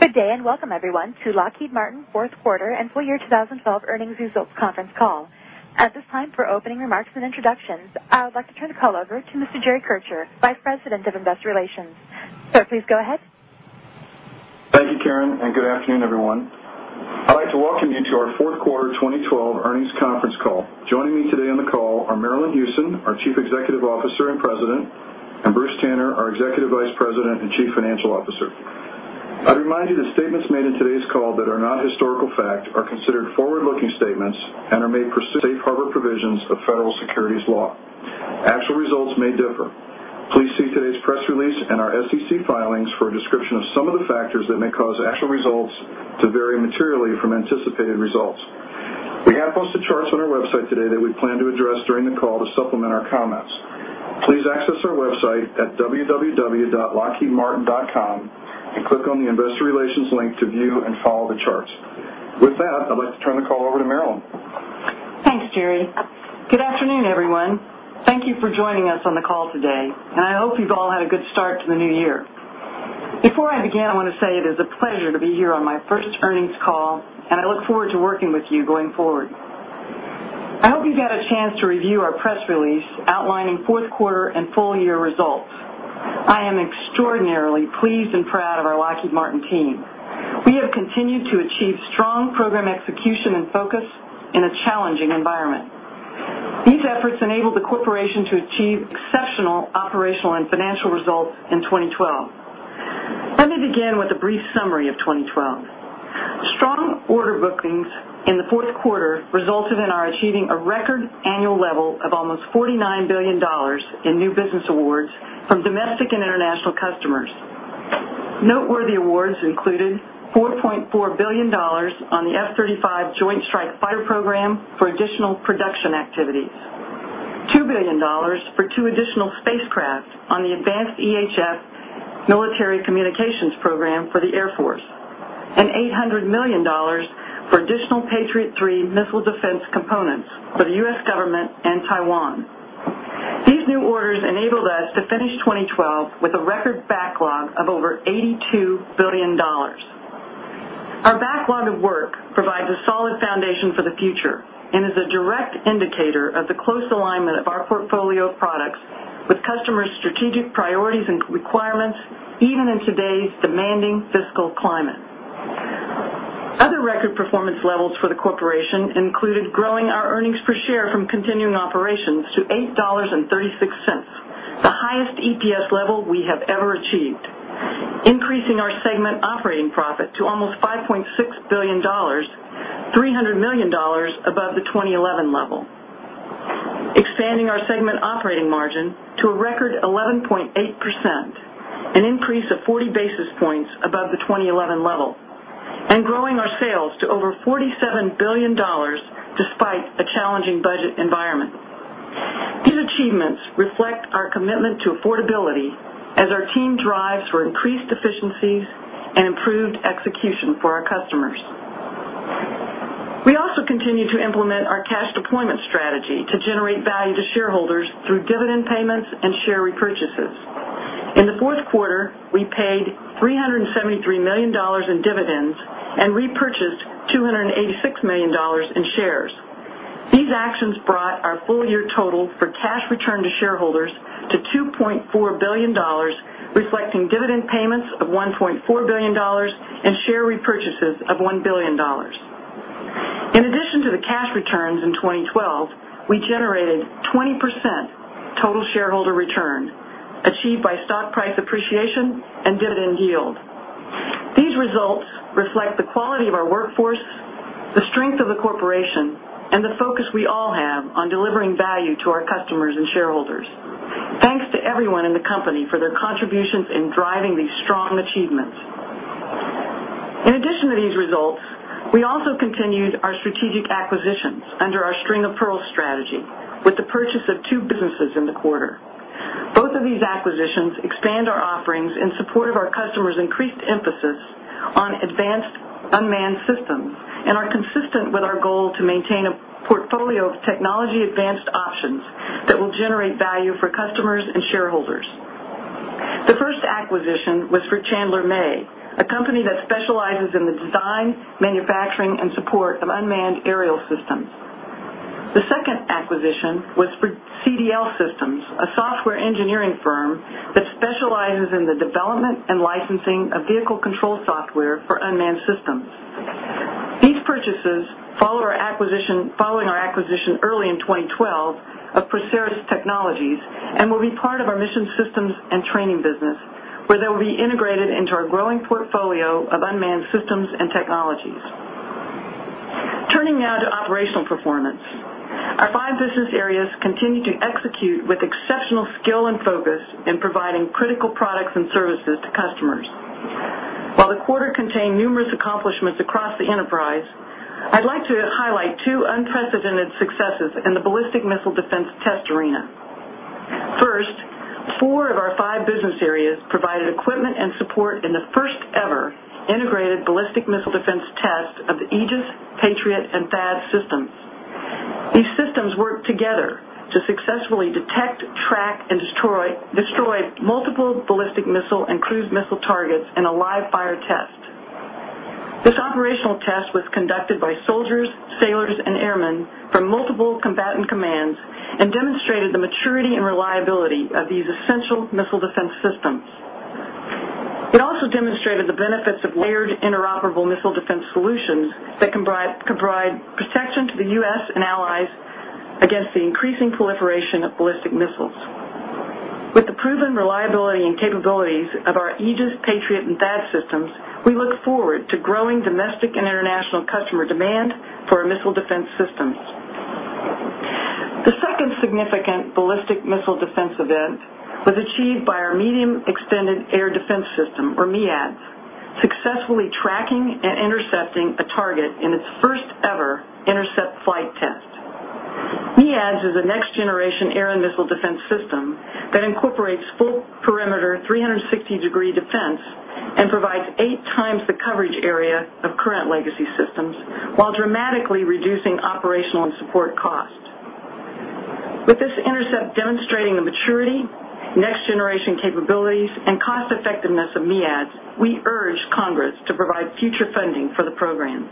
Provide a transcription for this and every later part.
Good day, and welcome, everyone, to Lockheed Martin fourth quarter and full year 2012 earnings results conference call. At this time, for opening remarks and introductions, I would like to turn the call over to Mr. Jerry Kircher, Vice President of Investor Relations. Sir, please go ahead. Thank you, Karen, and good afternoon, everyone. I'd like to welcome you to our fourth quarter 2012 earnings conference call. Joining me today on the call are Marillyn Hewson, our Chief Executive Officer and President, and Bruce Tanner, our Executive Vice President and Chief Financial Officer. I'd remind you that statements made in today's call that are not historical fact are considered forward-looking statements and are made pursuant to safe harbor provisions of federal securities law. Actual results may differ. Please see today's press release and our SEC filings for a description of some of the factors that may cause actual results to vary materially from anticipated results. We have posted charts on our website today that we plan to address during the call to supplement our comments. Please access our website at www.lockheedmartin.com and click on the investor relations link to view and follow the charts. With that, I'd like to turn the call over to Marillyn. Thanks, Jerry. Good afternoon, everyone. Thank you for joining us on the call today, and I hope you've all had a good start to the new year. Before I begin, I want to say it is a pleasure to be here on my first earnings call, and I look forward to working with you going forward. I hope you've had a chance to review our press release outlining fourth quarter and full-year results. I am extraordinarily pleased and proud of our Lockheed Martin team. We have continued to achieve strong program execution and focus in a challenging environment. These efforts enabled the corporation to achieve exceptional operational and financial results in 2012. Let me begin with a brief summary of 2012. Strong order bookings in the fourth quarter resulted in our achieving a record annual level of almost $49 billion in new business awards from domestic and international customers. Noteworthy awards included $4.4 billion on the F-35 Joint Strike Fighter program for additional production activities, $2 billion for two additional spacecraft on the advanced EHF military communications program for the Air Force, and $800 million for additional Patriot 3 missile defense components for the U.S. government and Taiwan. These new orders enabled us to finish 2012 with a record backlog of over $82 billion. Our backlog of work provides a solid foundation for the future and is a direct indicator of the close alignment of our portfolio of products with customer strategic priorities and requirements, even in today's demanding fiscal climate. Other record performance levels for the corporation included growing our earnings per share from continuing operations to $8.36, the highest EPS level we have ever achieved. Increasing our segment operating profit to almost $5.6 billion, $300 million above the 2011 level. Expanding our segment operating margin to a record 11.8%, an increase of 40 basis points above the 2011 level. Growing our sales to over $47 billion despite a challenging budget environment. These achievements reflect our commitment to affordability as our team drives for increased efficiencies and improved execution for our customers. We also continue to implement our cash deployment strategy to generate value to shareholders through dividend payments and share repurchases. In the fourth quarter, we paid $373 million in dividends and repurchased $286 million in shares. These actions brought our full-year total for cash return to shareholders to $2.4 billion, reflecting dividend payments of $1.4 billion and share repurchases of $1 billion. In addition to the cash returns in 2012, we generated 20% total shareholder return, achieved by stock price appreciation and dividend yield. These results reflect the quality of our workforce, the strength of the corporation, and the focus we all have on delivering value to our customers and shareholders. Thanks to everyone in the company for their contributions in driving these strong achievements. In addition to these results, we also continued our strategic acquisitions under our string-of-pearls strategy with the purchase of two businesses in the quarter. Both of these acquisitions expand our offerings in support of our customers' increased emphasis on advanced unmanned systems and are consistent with our goal to maintain a portfolio of technology-advanced options that will generate value for customers and shareholders. The first acquisition was for Chandler/May, a company that specializes in the design, manufacturing, and support of unmanned aerial systems. The second acquisition was for CDL Systems, a software engineering firm that specializes in the development and licensing of vehicle control software for unmanned systems. These purchases follow our acquisition, following our acquisition early in 2012 of Procerus Technologies and will be part of our Mission Systems and Training business, where they will be integrated into our growing portfolio of unmanned systems and technologies. Turning now to operational performance. Our five business areas continue to execute with exceptional skill and focus in providing critical products and services to customers. While the quarter contained numerous accomplishments across the enterprise, I'd like to highlight two unprecedented successes in the ballistic missile defense test arena. First, four of our five business areas provided equipment and support in the first-ever integrated ballistic missile defense test of the Aegis, Patriot, and THAAD systems. These systems work together to successfully detect, track, and destroy multiple ballistic missile and cruise missile targets in a live-fire test. This operational test was conducted by soldiers, sailors, and airmen from multiple combatant commands and demonstrated the maturity and reliability of these essential missile defense systems. It also demonstrated the benefits of layered interoperable missile defense solutions that can provide protection to the U.S. and allies against the increasing proliferation of ballistic missiles. With the proven reliability and capabilities of our Aegis, Patriot, and THAAD systems, we look forward to growing domestic and international customer demand for our missile defense systems. The second significant ballistic missile defense event was achieved by our Medium Extended Air Defense System, or MEADS, successfully tracking and intercepting a target in its first-ever intercept flight test. MEADS is a next-generation air and missile defense system that incorporates full perimeter 360-degree defense and provides eight times the coverage area of current legacy systems while dramatically reducing operational and support costs. With this intercept demonstrating the maturity, next-generation capabilities, and cost-effectiveness of MEADS, we urge Congress to provide future funding for the program.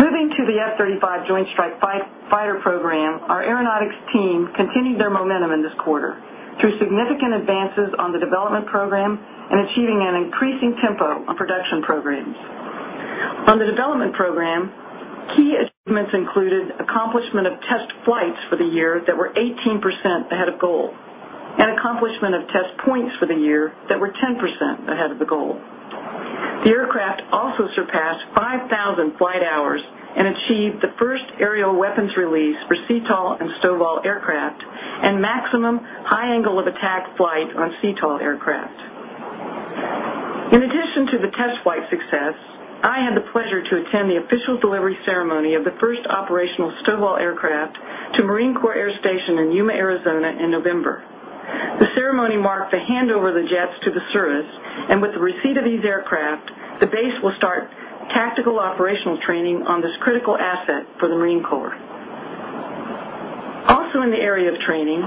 Moving to the F-35 Joint Strike Fighter program, our aeronautics team continued their momentum in this quarter through significant advances on the development program and achieving an increasing tempo on production programs. On the development program, key achievements included accomplishment of test flights for the year that were 18% ahead of goal and accomplishment of test points for the year that were 10% ahead of the goal. The aircraft also surpassed 5,000 flight hours and achieved the first aerial weapons release for CTOL and STOVL aircraft and maximum high angle of attack flight on CTOL aircraft. In addition to the test flight success, I had the pleasure to attend the official delivery ceremony of the first operational STOVL aircraft to Marine Corps Air Station in Yuma, Arizona, in November. The ceremony marked the handover of the jets to the service, with the receipt of these aircraft, the base will start tactical operational training on this critical asset for the Marine Corps. Also in the area of training,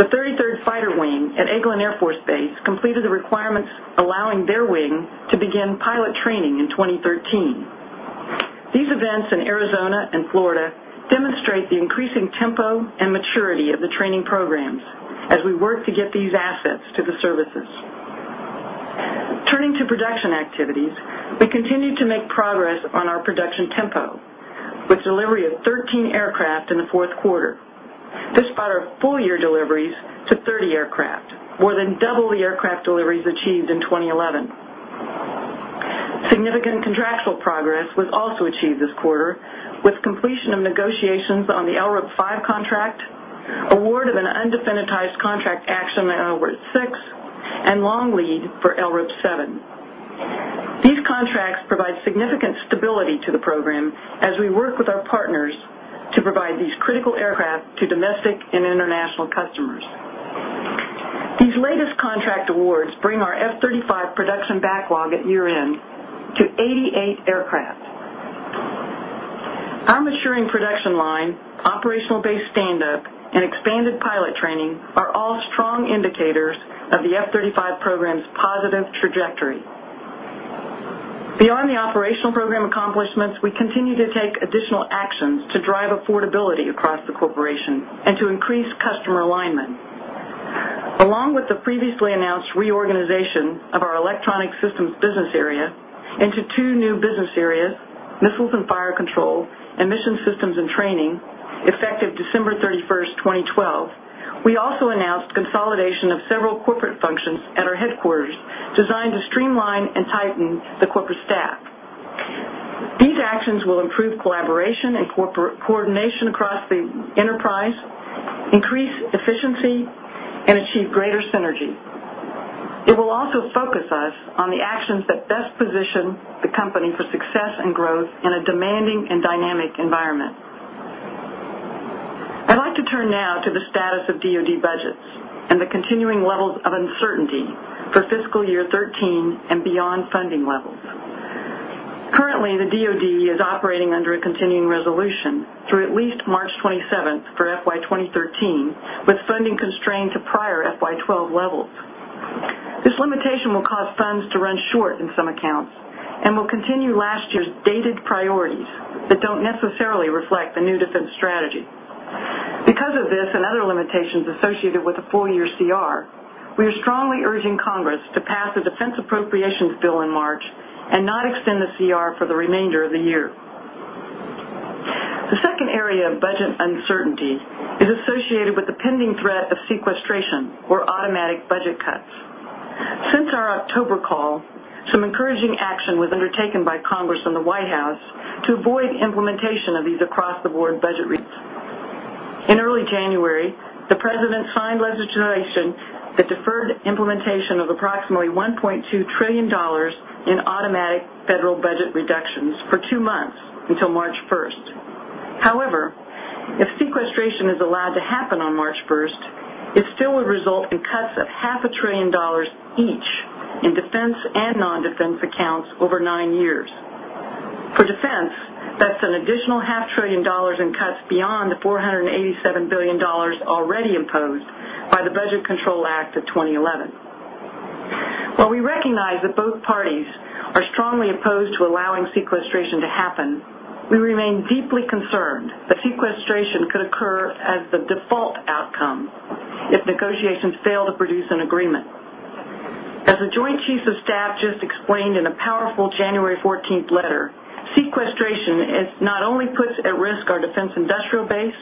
the 33rd Fighter Wing at Eglin Air Force Base completed the requirements allowing their wing to begin pilot training in 2013. These events in Arizona and Florida demonstrate the increasing tempo and maturity of the training programs as we work to get these assets to the services. Turning to production activities, we continue to make progress on our production tempo with delivery of 13 aircraft in the fourth quarter. This brought our full-year deliveries to 30 aircraft, more than double the aircraft deliveries achieved in 2011. Significant contractual progress was also achieved this quarter with completion of negotiations on the LRIP 5 contract, award of an undefinitized contract action on LRIP 6, and long lead for LRIP 7. These contracts provide significant stability to the program as we work with our partners to provide these critical aircraft to domestic and international customers. These latest contract awards bring our F-35 production backlog at year-end to 88 aircraft. Our maturing production line, operational base stand up, and expanded pilot training are all strong indicators of the F-35 program's positive trajectory. Beyond the operational program accomplishments, we continue to take additional actions to drive affordability across the corporation and to increase customer alignment. Along with the previously announced reorganization of our electronic systems business area into two new business areas, Missiles and Fire Control, and Mission Systems and Training, effective December 31st, 2012, we also announced consolidation of several corporate functions at our headquarters designed to streamline and tighten the corporate staff. These actions will improve collaboration and coordination across the enterprise, increase efficiency, and achieve greater synergy. It will also focus us on the actions that best position the company for success and growth in a demanding and dynamic environment. I'd like to turn now to the status of DoD budgets and the continuing levels of uncertainty for fiscal year 2013 and beyond funding levels. Currently, the DoD is operating under a continuing resolution through at least March 27th for FY 2013, with funding constrained to prior FY 2012 levels. This limitation will cause funds to run short in some accounts and will continue last year's dated priorities that don't necessarily reflect the new defense strategy. Because of this and other limitations associated with a full-year CR, we are strongly urging Congress to pass a defense appropriations bill in March and not extend the CR for the remainder of the year. The second area of budget uncertainty is associated with the pending threat of sequestration or automatic budget cuts. Since our October call, some encouraging action was undertaken by Congress and the White House to avoid implementation of these across-the-board budget reductions. In early January, the President signed legislation that deferred implementation of approximately $1.2 trillion in automatic federal budget reductions for two months until March 1st. If sequestration is allowed to happen on March 1st, it still would result in cuts of half a trillion dollars each In defense and non-defense accounts over nine years. For defense, that's an additional half trillion dollars in cuts beyond the $487 billion already imposed by the Budget Control Act of 2011. While we recognize that both parties are strongly opposed to allowing sequestration to happen, we remain deeply concerned that sequestration could occur as the default outcome if negotiations fail to produce an agreement. As the Joint Chiefs of Staff just explained in a powerful January 14th letter, sequestration not only puts at risk our defense industrial base,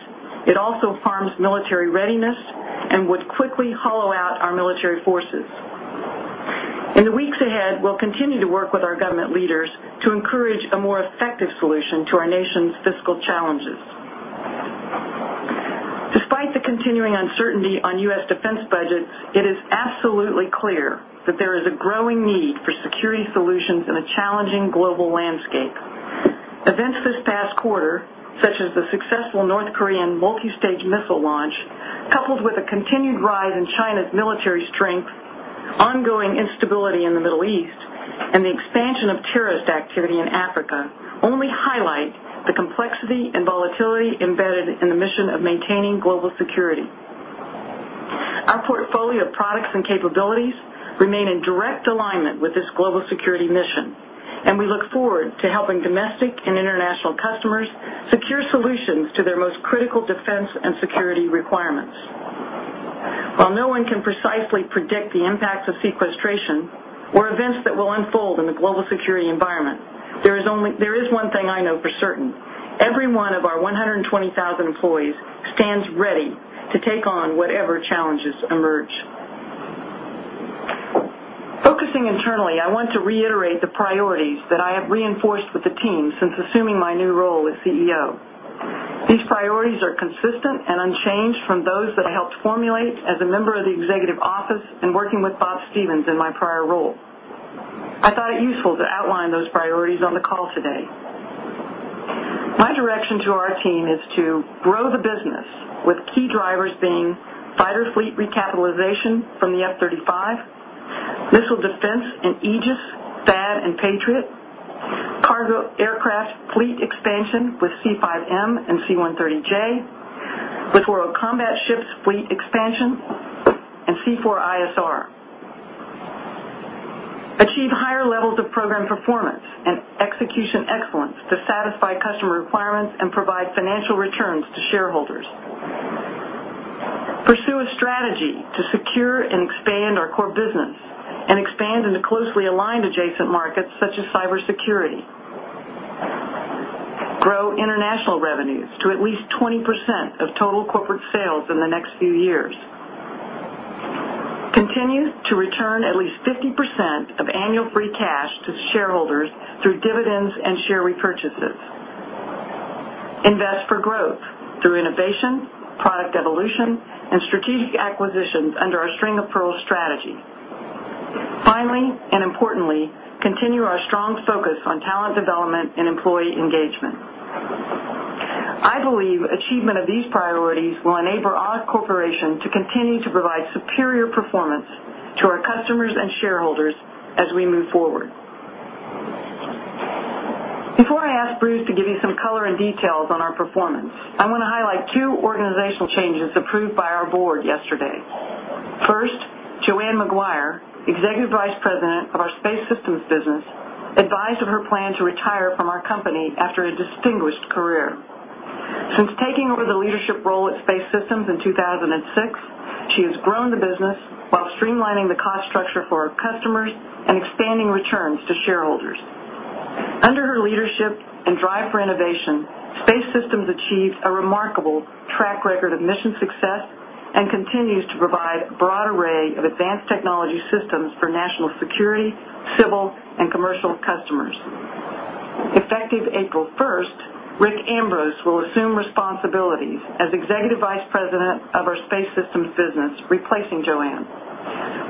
it also harms military readiness and would quickly hollow out our military forces. In the weeks ahead, we'll continue to work with our government leaders to encourage a more effective solution to our nation's fiscal challenges. Despite the continuing uncertainty on U.S. defense budgets, it is absolutely clear that there is a growing need for security solutions in a challenging global landscape. Events this past quarter, such as the successful North Korean multi-stage missile launch, coupled with a continued rise in China's military strength, ongoing instability in the Middle East, and the expansion of terrorist activity in Africa, only highlight the complexity and volatility embedded in the mission of maintaining global security. Our portfolio of products and capabilities remain in direct alignment with this global security mission, and we look forward to helping domestic and international customers secure solutions to their most critical defense and security requirements. While no one can precisely predict the impacts of sequestration or events that will unfold in the global security environment, there is one thing I know for certain: every one of our 120,000 employees stands ready to take on whatever challenges emerge. Focusing internally, I want to reiterate the priorities that I have reinforced with the team since assuming my new role as CEO. These priorities are consistent and unchanged from those that I helped formulate as a member of the executive office and working with Bob Stevens in my prior role. I thought it useful to outline those priorities on the call today. My direction to our team is to grow the business with key drivers being fighter fleet recapitalization from the F-35, missile defense in Aegis, THAAD, and Patriot, cargo aircraft fleet expansion with C-5M and C-130J, with combat ships fleet expansion, and C4ISR. Achieve higher levels of program performance and execution excellence to satisfy customer requirements and provide financial returns to shareholders. Pursue a strategy to secure and expand our core business and expand into closely aligned adjacent markets such as cybersecurity. Grow international revenues to at least 20% of total corporate sales in the next few years. Continue to return at least 50% of annual free cash to shareholders through dividends and share repurchases. Invest for growth through innovation, product evolution, and strategic acquisitions under our string-of-pearls strategy. Finally, importantly, continue our strong focus on talent development and employee engagement. I believe achievement of these priorities will enable our corporation to continue to provide superior performance to our customers and shareholders as we move forward. Before I ask Bruce to give you some color and details on our performance, I want to highlight two organizational changes approved by our board yesterday. First, Joanne Maguire, Executive Vice President of our Space Systems business, advised of her plan to retire from our company after a distinguished career. Since taking over the leadership role at Space Systems in 2006, she has grown the business while streamlining the cost structure for our customers and expanding returns to shareholders. Under her leadership and drive for innovation, Space Systems achieves a remarkable track record of mission success and continues to provide a broad array of advanced technology systems for national security, civil, and commercial customers. Effective April 1st, Rick Ambrose will assume responsibilities as Executive Vice President of our Space Systems business, replacing Joanne.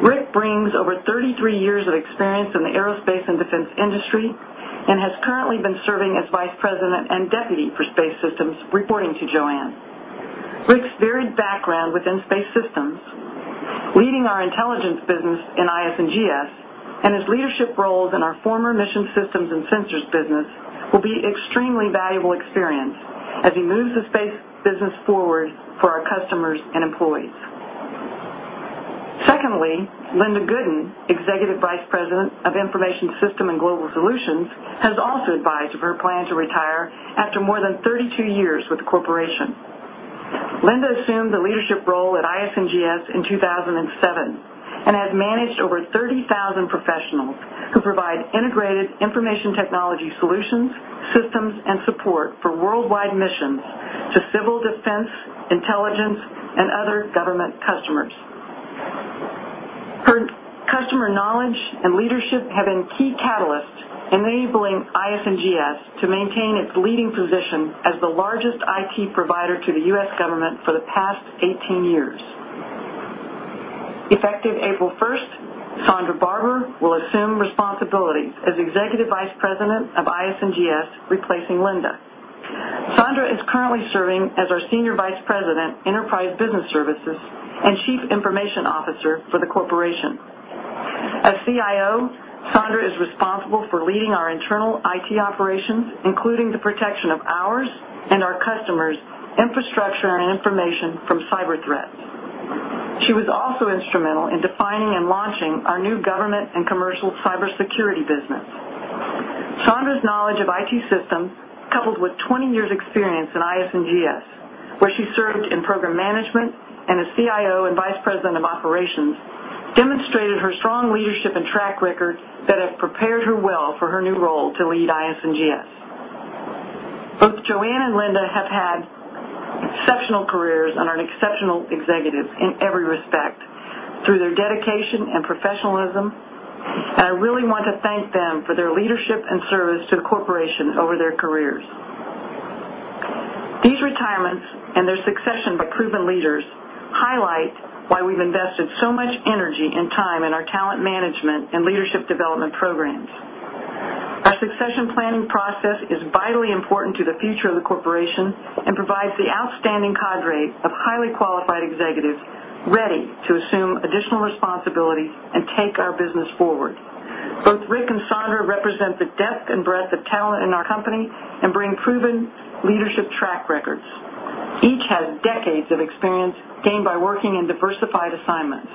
Rick brings over 33 years of experience in the aerospace and defense industry and has currently been serving as Vice President and Deputy for Space Systems, reporting to Joanne. Rick's varied background within Space Systems, leading our intelligence business in IS&GS, and his leadership roles in our former Mission Systems and Training business, will be extremely valuable experience as he moves the space business forward for our customers and employees. Secondly, Linda Gooden, Executive Vice President of Information Systems & Global Solutions, has also advised of her plan to retire after more than 32 years with the corporation. Linda assumed the leadership role at IS&GS in 2007 and has managed over 30,000 professionals who provide integrated information technology solutions, systems, and support for worldwide missions to civil defense, intelligence, and other government customers. Her customer knowledge and leadership have been key catalysts, enabling IS&GS to maintain its leading position as the largest IT provider to the U.S. government for the past 18 years. Effective April 1st, Sondra Barbour will assume responsibilities as Executive Vice President of IS&GS, replacing Linda. Sondra is currently serving as our Senior Vice President, Enterprise Business Services, and Chief Information Officer for the corporation. As CIO, Sondra is responsible for leading our internal IT operations, including the protection of ours and our customers' infrastructure and information from cyber threats. She was also instrumental in defining and launching our new government and commercial cybersecurity business. Sondra's knowledge of IT systems, coupled with 20 years' experience in IS&GS, where she served in program management and as CIO and Vice President of Operations, demonstrated her strong leadership and track record that have prepared her well for her new role to lead IS&GS. Both Joanne and Linda have had exceptional careers and are exceptional executives in every respect through their dedication and professionalism. I really want to thank them for their leadership and service to the corporation over their careers. These retirements, and their succession by proven leaders, highlight why we've invested so much energy and time in our talent management and leadership development programs. Our succession planning process is vitally important to the future of the corporation and provides the outstanding cadre of highly qualified executives ready to assume additional responsibility and take our business forward. Both Rick and Sondra represent the depth and breadth of talent in our company and bring proven leadership track records. Each has decades of experience gained by working in diversified assignments.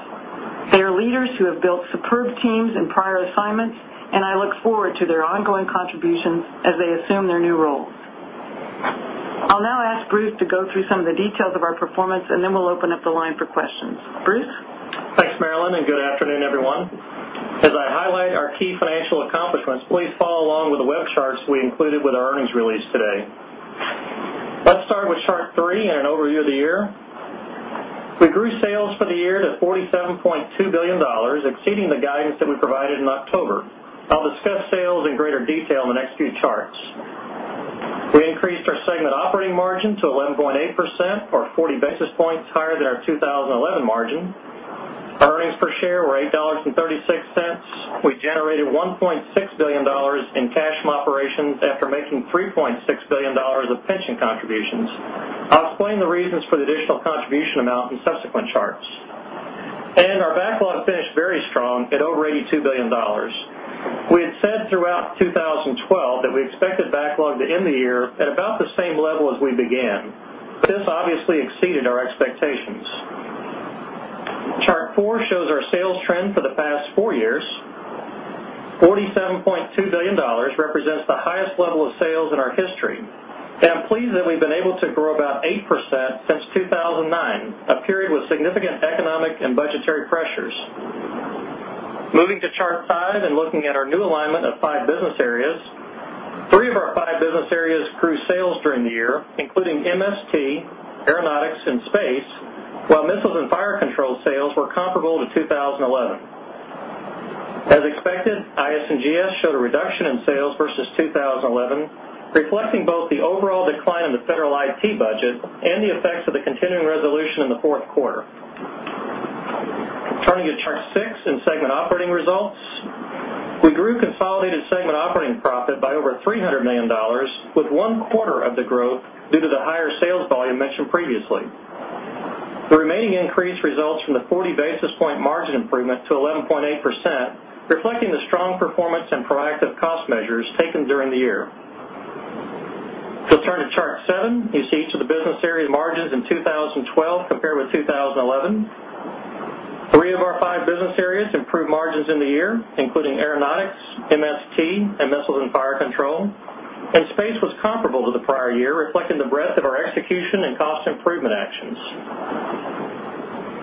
They are leaders who have built superb teams in prior assignments, and I look forward to their ongoing contributions as they assume their new roles. I'll now ask Bruce to go through some of the details of our performance. Then we'll open up the line for questions. Bruce? Thanks, Marillyn, good afternoon, everyone. As I highlight our key financial accomplishments, please follow along with the web charts we included with our earnings release today. Let's start with Chart 3 and an overview of the year. We grew sales for the year to $47.2 billion, exceeding the guidance that we provided in October. I'll discuss sales in greater detail in the next few charts. We increased our segment operating margin to 11.8%, or 40 basis points higher than our 2011 margin. Our earnings per share were $8.36. We generated $1.6 billion in cash from operations after making $3.6 billion of pension contributions. I'll explain the reasons for the additional contribution amount in subsequent charts. Our backlog finished very strong at over $82 billion. We had said throughout 2012 that we expected backlog to end the year at about the same level as we began. This obviously exceeded our expectations. Chart 4 shows our sales trend for the past four years. $47.2 billion represents the highest level of sales in our history. I'm pleased that we've been able to grow about 8% since 2009, a period with significant economic and budgetary pressures. Moving to Chart 5 and looking at our new alignment of five business areas. Three of our five business areas grew sales during the year, including MST, Aeronautics, and Space, while Missiles and Fire Control sales were comparable to 2011. As expected, IS&GS showed a reduction in sales versus 2011, reflecting both the overall decline in the federal IT budget and the effects of the continuing resolution in the fourth quarter. Turning to Chart 6 and segment operating results. We grew consolidated segment operating profit by over $300 million, with one quarter of the growth due to the higher sales volume mentioned previously. The remaining increase results from the 40 basis point margin improvement to 11.8%, reflecting the strong performance and proactive cost measures taken during the year. If we turn to Chart 7, you see each of the business area margins in 2012 compared with 2011. Three of our five business areas improved margins in the year, including Aeronautics, MST, and Missiles and Fire Control, and Space was comparable to the prior year, reflecting the breadth of our execution and cost improvement actions.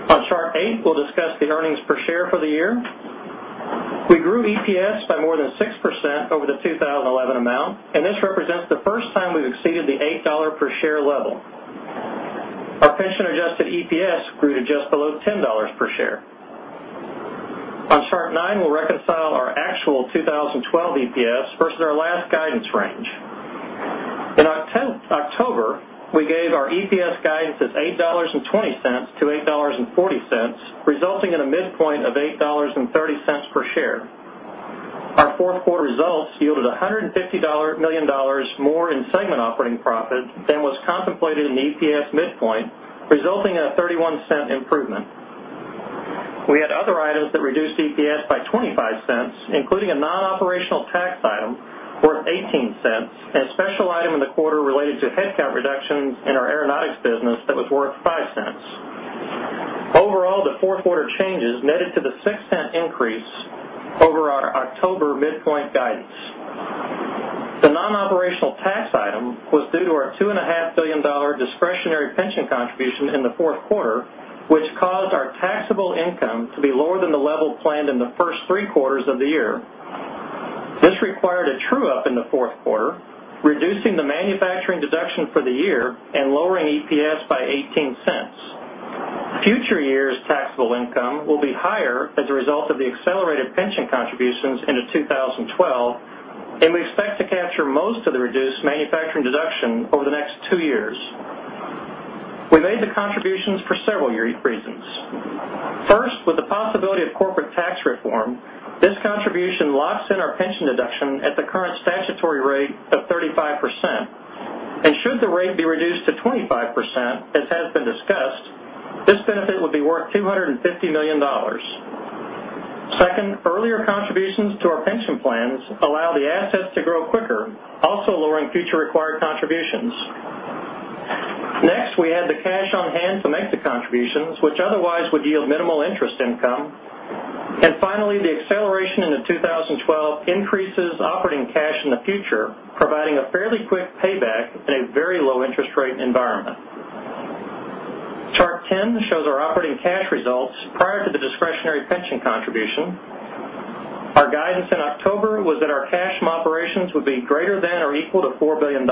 On Chart 8, we'll discuss the earnings per share for the year. We grew EPS by more than 6% over the 2011 amount, this represents the first time we've exceeded the $8 per share level. Our pension-adjusted EPS grew to just below $10 per share. On Chart 9, we'll reconcile our actual 2012 EPS versus our last guidance range. In October, we gave our EPS guidance as $8.20-$8.40, resulting in a midpoint of $8.30 per share. Our fourth-quarter results yielded $150 million more in segment operating profit than was contemplated in the EPS midpoint, resulting in a $0.31 improvement. We had other items that reduced EPS by $0.25, including a non-operational tax item worth $0.18 and a special item in the quarter related to headcount reductions in our Aeronautics business that was worth $0.05. Overall, the fourth-quarter changes netted to the $0.06 increase over our October midpoint guidance. The non-operational tax item was due to our $2.5 billion discretionary pension contribution in the fourth quarter, which caused our taxable income to be lower than the level planned in the first three quarters of the year. This required a true-up in the fourth quarter, reducing the manufacturing deduction for the year and lowering EPS by $0.18. Future years' taxable income will be higher as a result of the accelerated pension contributions into 2012, we expect to capture most of the reduced manufacturing deduction over the next two years. We made the contributions for several reasons. First, this contribution locks in our pension deduction at the current statutory rate of 35%. Should the rate be reduced to 25%, as has been discussed, this benefit would be worth $250 million. Second, earlier contributions to our pension plans allow the assets to grow quicker, also lowering future required contributions. We had the cash on hand to make the contributions, which otherwise would yield minimal interest income. Finally, the acceleration into 2012 increases operating cash in the future, providing a fairly quick payback in a very low interest rate environment. Chart 10 shows our operating cash results prior to the discretionary pension contribution. Our guidance in October was that our cash from operations would be greater than or equal to $4 billion.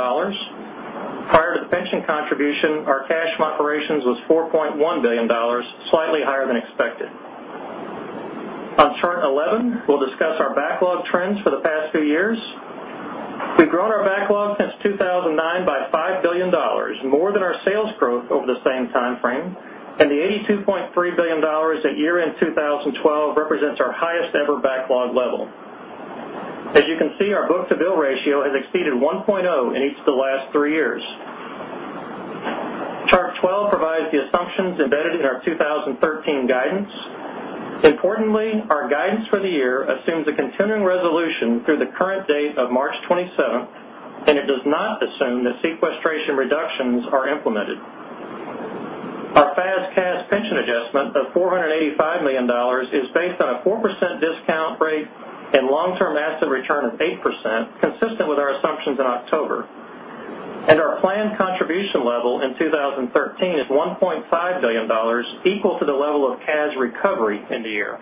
Prior to the pension contribution, our cash from operations was $4.1 billion, slightly higher than expected. On chart 11, we will discuss our backlog trends for the past few years. We have grown our backlog since 2009 by $5 billion, more than our sales growth over the same time frame. The $82.3 billion at year-end 2012 represents our highest-ever backlog level. As you can see, our book-to-bill ratio has exceeded 1.0 in each of the last three years. Chart 12 provides the assumptions embedded in our 2013 guidance. Our guidance for the year assumes a continuing resolution through the current date of March 27th, and it does not assume that sequestration reductions are implemented. Our FAS/CAS pension adjustment of $485 million is based on a 4% discount rate and long-term asset return of 8%, consistent with our assumptions in October. Our planned contribution level in 2013 is $1.5 billion, equal to the level of CAS recovery in the year.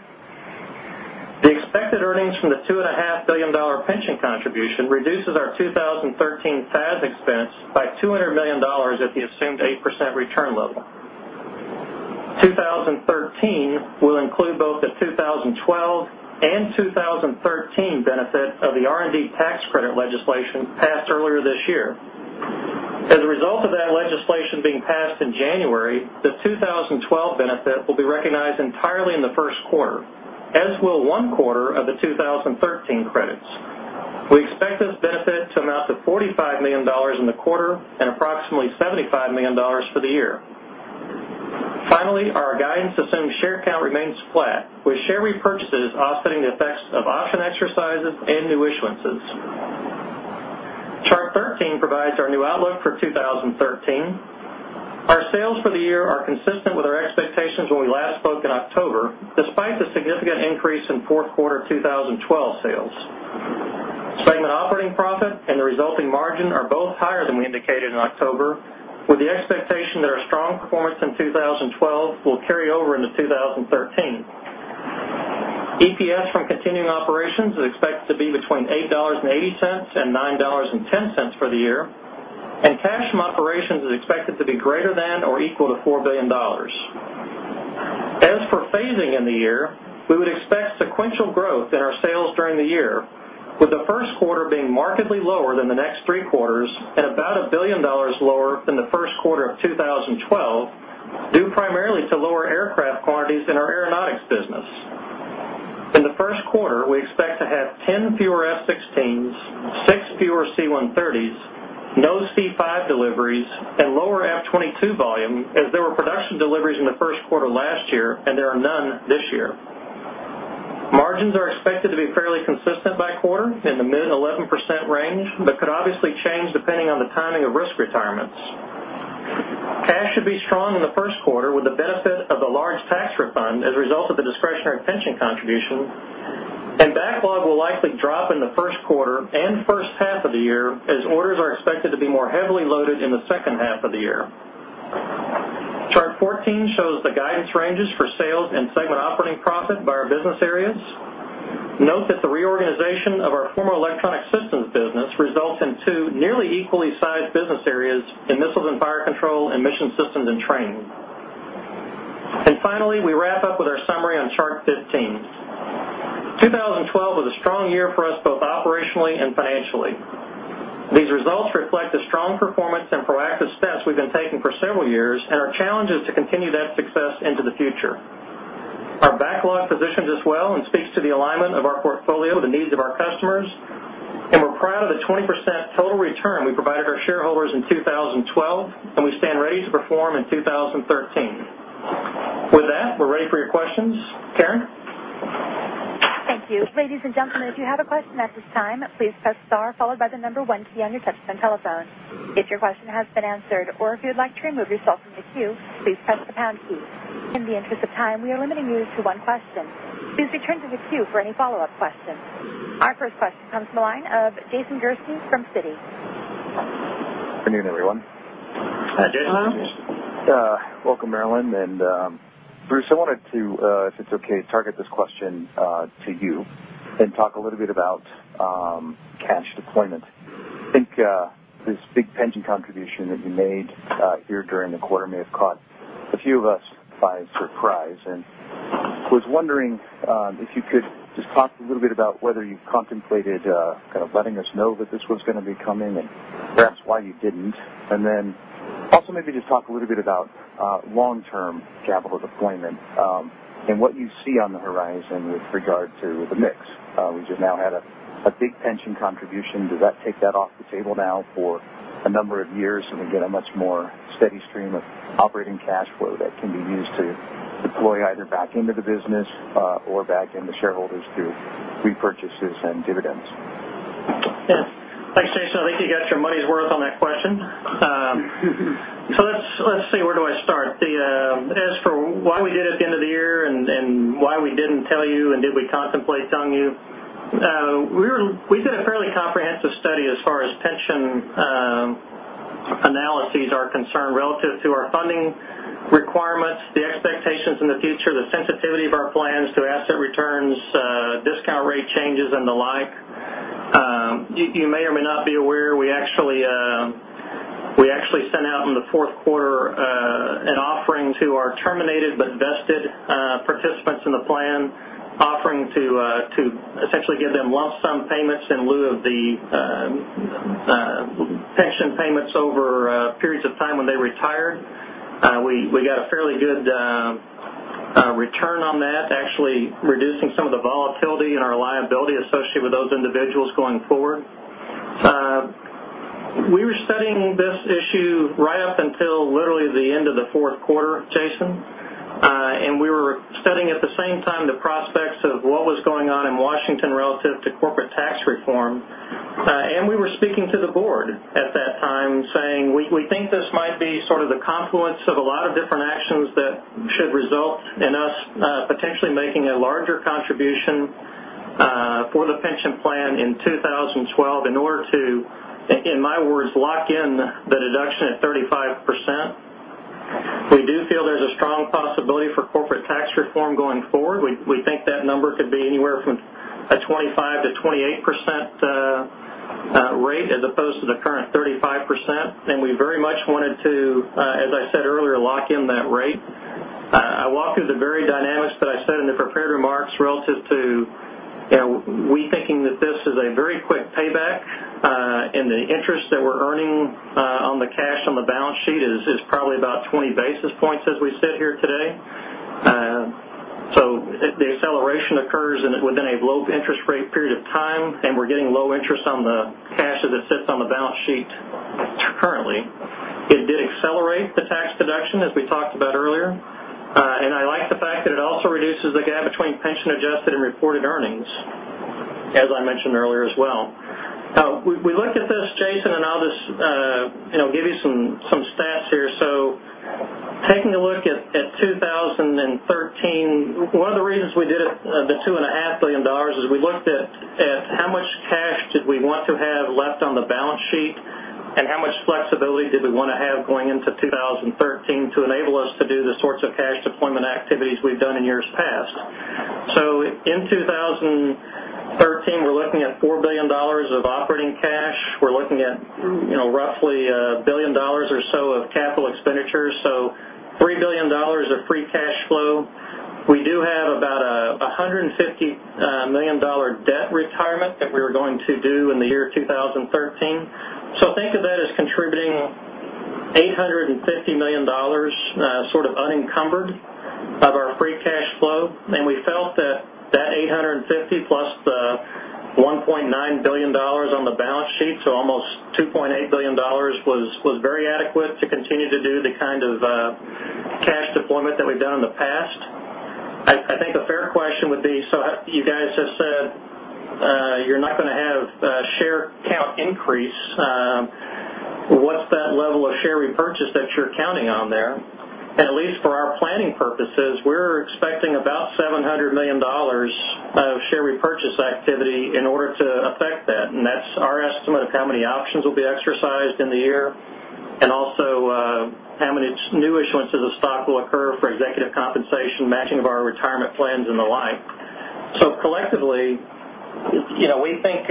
The expected earnings from the $2.5 billion pension contribution reduces our 2013 FAS expense by $200 million at the assumed 8% return level. 2013 will include both the 2012 and 2013 benefit of the R&D tax credit legislation passed earlier this year. The 2012 benefit will be recognized entirely in the first quarter, as will one quarter of the 2013 credits. We expect this benefit to amount to $45 million in the quarter and approximately $75 million for the year. Our guidance assumes share count remains flat, with share repurchases offsetting the effects of option exercises and new issuances. Chart 13 provides our new outlook for 2013. Our sales for the year are consistent with our expectations when we last spoke in October, despite the significant increase in fourth quarter 2012 sales. Segment operating profit and the resulting margin are both higher than we indicated in October, with the expectation that our strong performance in 2012 will carry over into 2013. EPS from continuing operations is expected to be between $8.80 and $9.10 for the year, and cash from operations is expected to be greater than or equal to $4 billion. We would expect sequential growth in our sales during the year, with the first quarter being markedly lower than the next three quarters and about $1 billion lower than the first quarter of 2012, due primarily to lower aircraft quantities in our aeronautics business. In the first quarter, we expect to have 10 fewer F-16s, six fewer C-130s, no C-5 deliveries, and lower F-22 volume, as there were production deliveries in the first quarter last year, and there are none this year. Margins are expected to be fairly consistent by quarter in the mid 11% range, but could obviously change depending on the timing of risk retirements. Cash should be strong in the first quarter with the benefit of the large tax refund as a result of the discretionary pension contribution. Backlog will likely drop in the first quarter and first half of the year, as orders are expected to be more heavily loaded in the second half of the year. Chart 14 shows the guidance ranges for sales and segment operating profit by our business areas. Note that the reorganization of our former electronic systems business results in two nearly equally sized business areas in Missiles and Fire Control and Mission Systems and Training. Finally, we wrap up with our summary on chart 15. 2012 was a strong year for us, both operationally and financially. These results reflect the strong performance and proactive steps we've been taking for several years and our challenges to continue that success into the future. Our backlog positions us well and speaks to the alignment of our portfolio with the needs of our customers. We're proud of the 20% total return we provided our shareholders in 2012. We stand ready to perform in 2013. With that, we're ready for your questions. Karen? Thank you. Ladies and gentlemen, if you have a question at this time, please press star followed by the number one key on your touchtone telephone. If your question has been answered or if you'd like to remove yourself from the queue, please press the pound key. In the interest of time, we are limiting you to one question. Please return to the queue for any follow-up questions. Our first question comes from the line of Jason Gursky from Citi. Good afternoon, everyone. Hi, Jason. Welcome, Marillyn. Bruce, I wanted to, if it's okay, target this question to you and talk a little bit about cash deployment. I think this big pension contribution that you made here during the quarter may have caught a few of us by surprise, and was wondering if you could just talk a little bit about whether you contemplated kind of letting us know that this was going to be coming, and perhaps why you didn't. Maybe just talk a little bit about long-term capital deployment and what you see on the horizon with regard to the mix. We just now had a big pension contribution. Does that take that off the table now for a number of years, and we get a much more steady stream of operating cash flow that can be used to deploy either back into the business or back into shareholders through repurchases and dividends? Yeah. Thanks, Jason. I think you got your money's worth on that question. Let's see. Where do I start? As for why we did it at the end of the year and why we didn't tell you, and did we contemplate telling you, we did a fairly comprehensive study as far as pension analyses are concerned relative to our funding requirements, the expectations in the future, the sensitivity of our plans to asset returns, discount rate changes, and the like. You may or may not be aware, we actually sent out in the fourth quarter an offering to our terminated but vested participants in the plan, offering to essentially give them lump sum payments in lieu of the pension payments over periods of time when they retired. We got a fairly good return on that, actually reducing some of the volatility in our liability associated with those individuals going forward. We were studying this issue right up until literally the end of the fourth quarter, Jason. We were studying at the same time the prospects of what was going on in Washington relative to corporate tax reform. We were speaking to the board at that time saying we think this might be sort of the confluence of a lot of different actions that should result in us potentially making a larger contribution for the pension plan in 2012 in order to, in my words, lock in the deduction at 35%. We do feel there's a strong possibility for corporate tax reform going forward. We think that number could be anywhere from a 25%-28% rate as opposed to the current 35%. We very much wanted to, as I said earlier, lock in that rate. I walk through the very dynamics that I said in the prepared remarks relative to we thinking that this is a very quick payback, and the interest that we're earning on the cash on the balance sheet is probably about 20 basis points as we sit here today. The acceleration occurs within a low interest rate period of time, and we're getting low interest on the cash as it sits on the balance sheet currently. It did accelerate the tax deduction, as we talked about earlier. I like the fact that it also reduces the gap between pension-adjusted and reported earnings, as I mentioned earlier as well. We looked at this, Jason, and I'll just give you some stats here. Taking a look at 2013, one of the reasons we did it, the $2.5 billion, is we looked at how much cash did we want to have left on the balance sheet, and how much flexibility did we want to have going into 2013 to enable us to do the sorts of cash deployment activities we've done in years past. In 2013, we're looking at $4 billion of operating cash. We're looking at roughly $1 billion or so of capital expenditures, so $3 billion of free cash flow. We do have about a $150 million debt retirement that we were going to do in the year 2013. Think of that as contributing $850 million sort of unencumbered of our free cash flow. We felt that that $850 million plus the $1.9 billion on the balance sheet, so almost $2.8 billion, was very adequate to continue to do the kind of cash deployment that we've done in the past. I think a fair question would be, you guys just said you're not going to have a share count increase. What's that level of share repurchase that you're counting on there? At least for our planning purposes, we're expecting about $700 million of share repurchase activity in order to effect that. That's our estimate of how many options will be exercised in the year and also how many new issuances of stock will occur for executive compensation, matching of our retirement plans and the like. Collectively, we think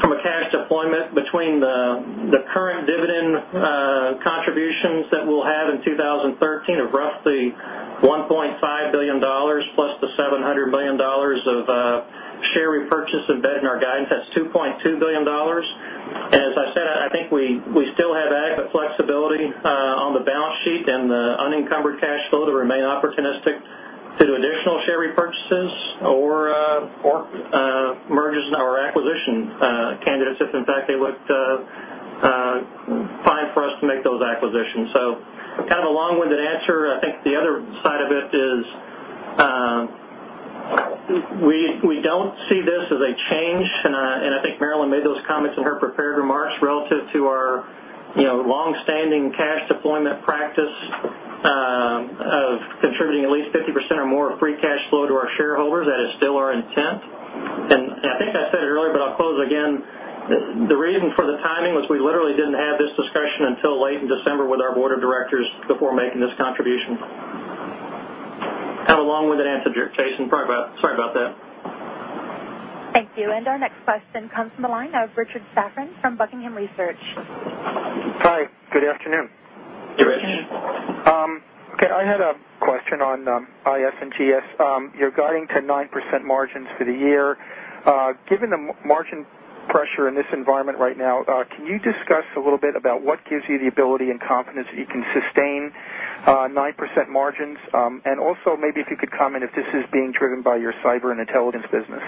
from a cash deployment between the current dividend contributions that we'll have in 2013 of roughly $1.5 billion plus the $700 million of share repurchase embedded in our guidance, that's $2.2 billion. As I said, I think we still have adequate flexibility on the balance sheet and the unencumbered cash flow to remain opportunistic to do additional share repurchases or mergers and/or acquisition candidates if, in fact, they looked fine for us to make those acquisitions. Kind of a long-winded answer. I think the other side of it is we don't see this as a change, and I think Marillyn made those comments in her prepared remarks relative to our long-standing cash deployment practice of contributing at least 50% or more of free cash flow to our shareholders. That is still our intent. I think I said it earlier, but I'll close again. The reason for the timing was we literally didn't have this discussion until late in December with our board of directors before making this contribution. Kind of a long-winded answer, Jason. Sorry about that. Thank you. Our next question comes from the line of Richard Safran from Buckingham Research. Hi. Good afternoon. Your question? Okay. I had a question on IS&GS. You're guiding to 9% margins for the year. Given the margin pressure in this environment right now, can you discuss a little bit about what gives you the ability and confidence that you can sustain 9% margins? Also, maybe if you could comment if this is being driven by your cyber and intelligence business.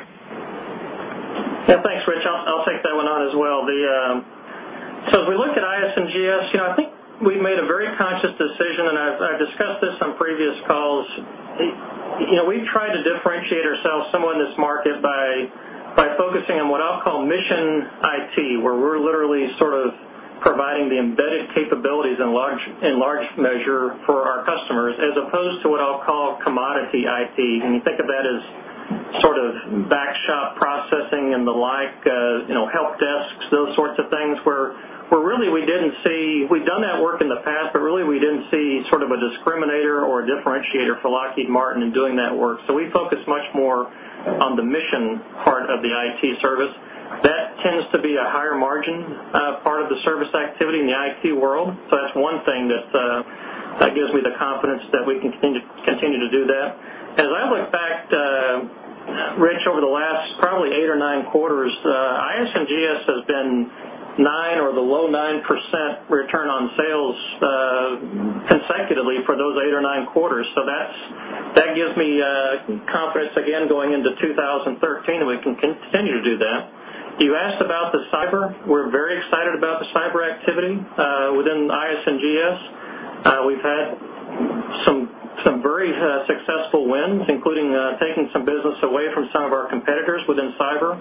Yeah, thanks, Rich. I'll take that one on as well. If we look at IS&GS, I think we made a very conscious decision, and I've discussed this on previous calls. We've tried to differentiate ourselves somewhat in this market by focusing on what I'll call mission IT, where we're literally sort of providing the embedded capabilities in large measure for our customers, as opposed to what I'll call commodity IT. You think of that as sort of back shop processing and the like, help desks, those sorts of things, where really We'd done that work in the past, but really we didn't see sort of a discriminator or a differentiator for Lockheed Martin in doing that work. We focus much more on the mission part of the IT service. That tends to be a higher margin part of the service activity in the IT world. That's one thing that gives me the confidence that we can continue to do that. As I look back, Rich, over the last probably eight or nine quarters, IS&GS has been 9% or the low 9% return on sales consecutively for those eight or nine quarters. That gives me confidence again going into 2013 that we can continue to do that. You asked about the cyber. We're very excited about the cyber activity within IS&GS. We've had some very successful wins, including taking some business away from some of our competitors within cyber.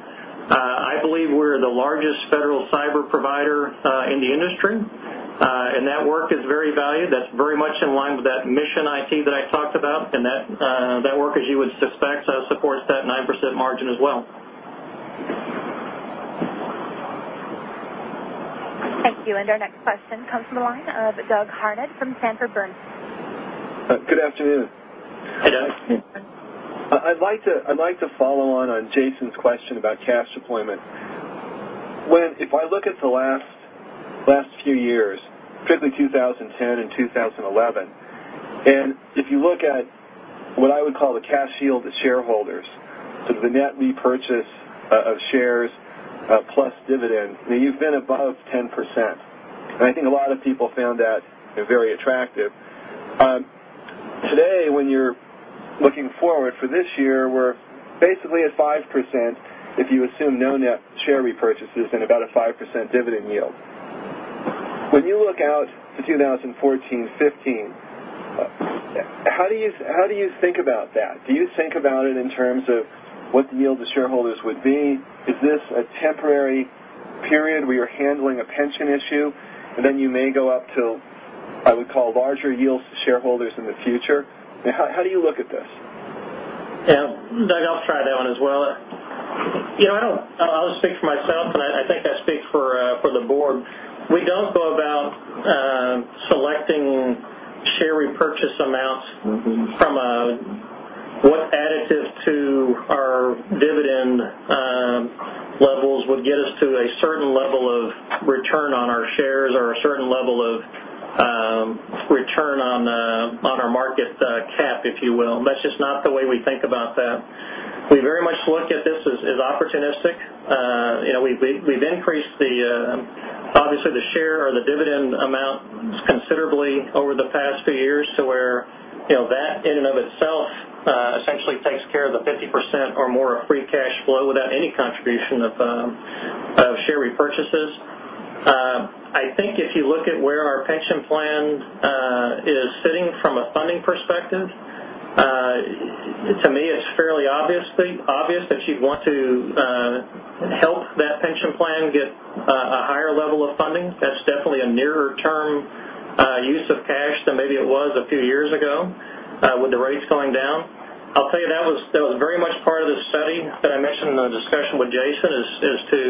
I believe we're the largest federal cyber provider in the industry, and that work is very valued. That's very much in line with that mission IT that I talked about, and that work, as you would suspect, supports that 9% margin as well. Thank you. Our next question comes from the line of Doug Harned from Sanford C. Bernstein. Good afternoon. Good afternoon. I'd like to follow on Jason's question about cash deployment. If I look at the last few years, particularly 2010 and 2011, and if you look at what I would call the cash yield to shareholders, so the net repurchase of shares plus dividend, you've been above 10%. I think a lot of people found that very attractive. Today, when you're looking forward for this year, we're basically at 5%, if you assume no net share repurchases and about a 5% dividend yield. When you look out to 2014, 2015, how do you think about that? Do you think about it in terms of what the yield to shareholders would be? Is this a temporary period where you're handling a pension issue, then you may go up to, I would call, larger yields to shareholders in the future? How do you look at this? Doug, I'll try that one as well. I'll speak for myself, I think I speak for the board. We don't go about selecting share repurchase amounts from what additive to our dividend levels would get us to a certain level of return on our shares or a certain level of return on our market cap, if you will. That's just not the way we think about that. We very much look at this as opportunistic. We've increased obviously the share or the dividend amounts considerably over the past few years to where that in and of itself essentially takes care of the 50% or more of free cash flow without any contribution of share repurchases. I think if you look at where our pension plan is sitting from a funding perspective, to me it's fairly obvious that you'd want to help that pension plan get a higher level of funding. That's definitely a nearer term use of cash than maybe it was a few years ago with the rates going down. I'll tell you, that was very much part of the study that I mentioned in the discussion with Jason as to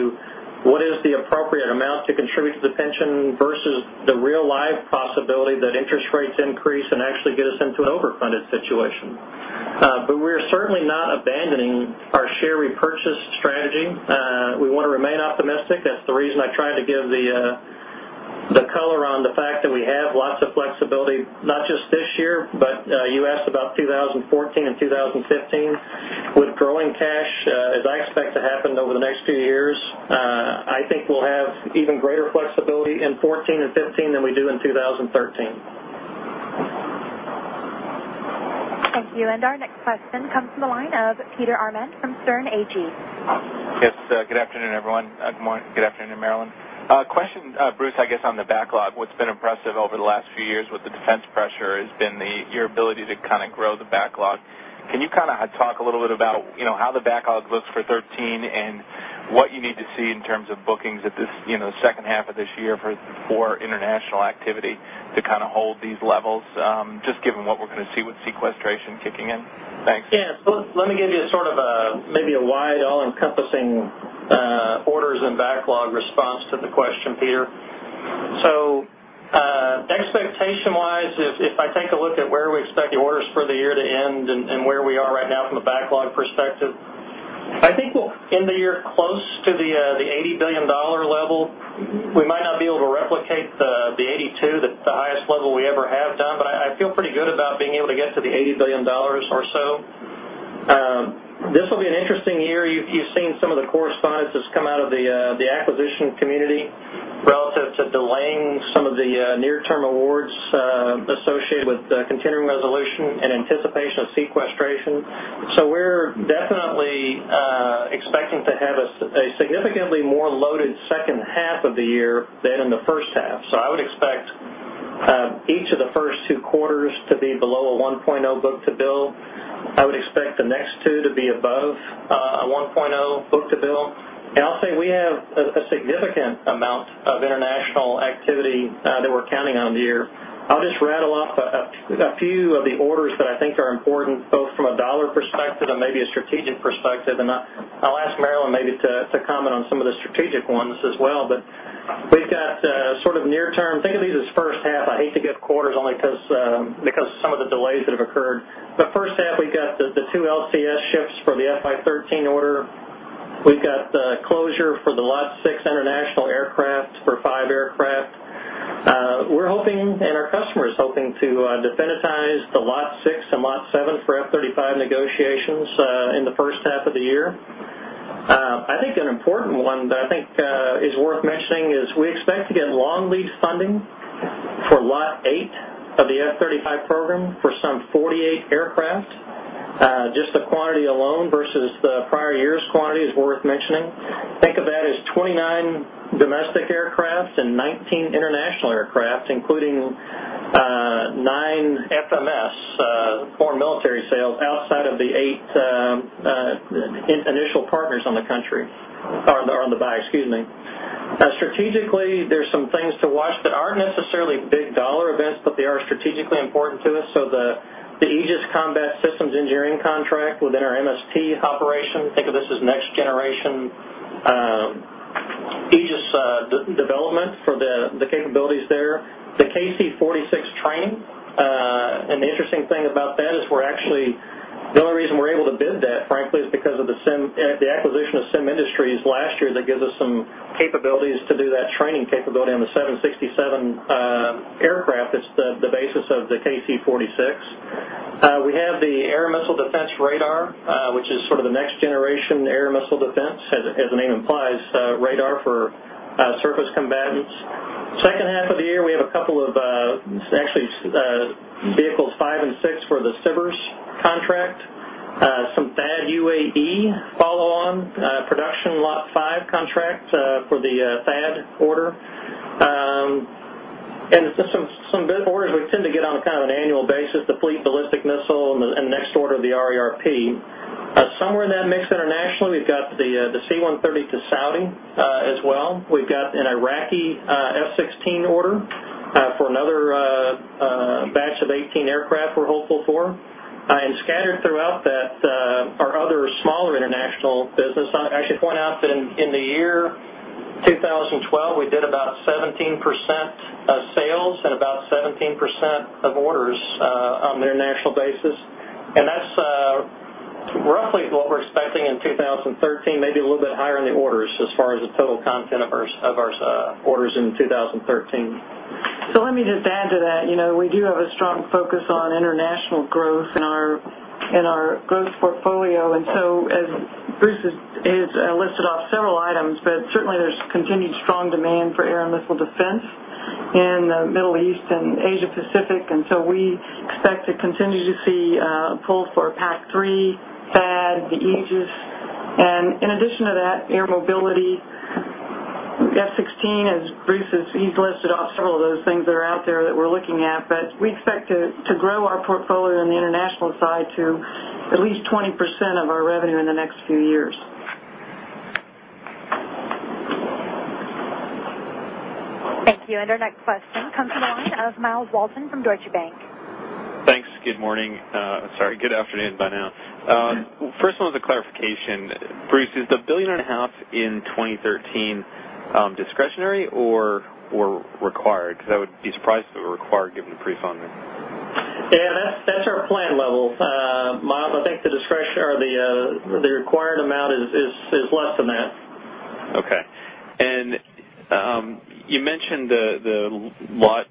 what is the appropriate amount to contribute to the pension versus the real-life possibility that interest rates increase and actually get us into an overfunded situation. We're certainly not abandoning our share repurchase strategy. We want to remain optimistic. That's the reason I tried to give the color on the fact that we have lots of flexibility, not just this year, but you asked about 2014 and 2015. With growing cash, as I expect to happen over the next few years, I think we'll have even greater flexibility in 2014 and 2015 than we do in 2013. Thank you. Our next question comes from the line of Peter Arment from Sterne Agee. Yes. Good afternoon, everyone. Good morning. Good afternoon, Marillyn. A question, Bruce, I guess, on the backlog. What has been impressive over the last few years with the defense pressure has been your ability to kind of grow the backlog. Can you kind of talk a little bit about how the backlog looks for 2013 and what you need to see in terms of bookings at the second half of this year for international activity to kind of hold these levels, just given what we're going to see with sequestration kicking in? Thanks. Yes. Let me give you sort of maybe a wide, all-encompassing orders and backlog response to the question, Peter. Expectation-wise, end the year close to the $80 billion level. We might not be able to replicate the 82, the highest level we ever have done, but I feel pretty good about being able to get to the $80 billion or so. This will be an interesting year. You've seen some of the correspondences come out of the acquisition community relative to delaying some of the near-term awards associated with continuing resolution and anticipation of sequestration. We're definitely expecting to have a significantly more loaded second half of the year than in the first half. I would expect each of the first two quarters to be below a 1.0 book-to-bill. I would expect the next two to be above a 1.0 book-to-bill. I'll say we have a significant amount of international activity that we're counting on the year. I'll just rattle off a few of the orders that I think are important, both from a dollar perspective and maybe a strategic perspective, and I'll ask Marillyn maybe to comment on some of the strategic ones as well. We've got sort of near term, think of these as first half, I hate to give quarters only because of some of the delays that have occurred. The first half, we've got the two LCS ships for the FY 2013 order. We've got the closure for the Lot 6 international aircraft for five aircraft. We're hoping, and our customer is hoping, to definitize the Lot 6 and Lot 7 for F-35 negotiations in the first half of the year. I think an important one that I think is worth mentioning is we expect to get long-lead funding for Lot 8 of the F-35 program for some 48 aircraft. Just the quantity alone versus the prior year's quantity is worth mentioning. Think of that as 29 domestic aircraft and 19 international aircraft, including nine FMS, foreign military sales, outside of the eight initial partners on the country, or on the buy, excuse me. Strategically, there's some things to watch that aren't necessarily big dollar events, but they are strategically important to us. The Aegis Combat Systems engineering contract within our MST operation, think of this as next generation Aegis development for the capabilities there. The KC-46 training, the interesting thing about that is the only reason we're able to bid that, frankly, is because of the acquisition of Sim-Industries last year that gives us some capabilities to do that training capability on the Boeing 767 aircraft that's the basis of the KC-46. We have the Air and Missile Defense Radar, which is sort of the next generation Air and Missile Defense Radar, as the name implies, for surface combatants. Second half of the year, we have a couple of, actually, vehicles 5 and 6 for the SBIRS contract. Some THAAD UAE follow on production Lot 5 contract for the THAAD order. Some good orders we tend to get on kind of an annual basis, the Fleet Ballistic Missile and the next order of the RERP. Somewhere in that mix internationally, we've got the C-130 to Saudi as well. We've got an Iraqi F-16 order for another batch of 18 aircraft we're hopeful for. Scattered throughout that, our other smaller international business. I should point out that in the year 2012, we did about 17% of sales and about 17% of orders on the international basis. That's roughly what we're expecting in 2013, maybe a little bit higher in the orders as far as the total content of our orders in 2013. Let me just add to that. We do have a strong focus on international growth in our growth portfolio, as Bruce has listed off several items, but certainly there's continued strong demand for air and missile defense in the Middle East and Asia Pacific. We expect to continue to see pull for PAC-3, THAAD, the Aegis. In addition to that, air mobility, F-16, as Bruce, he's listed off several of those things that are out there that we're looking at. We expect to grow our portfolio on the international side to at least 20% of our revenue in the next few years. Thank you. Our next question comes from the line of Myles Walton from Deutsche Bank. Thanks. Good morning. Sorry, good afternoon by now. First one was a clarification. Bruce, is the billion and a half in 2013 discretionary or required? Because I would be surprised if it were required given the pre-funding. Yeah, that's our plan level. Myles, I think the required amount is less than that. Okay. You mentioned the Lot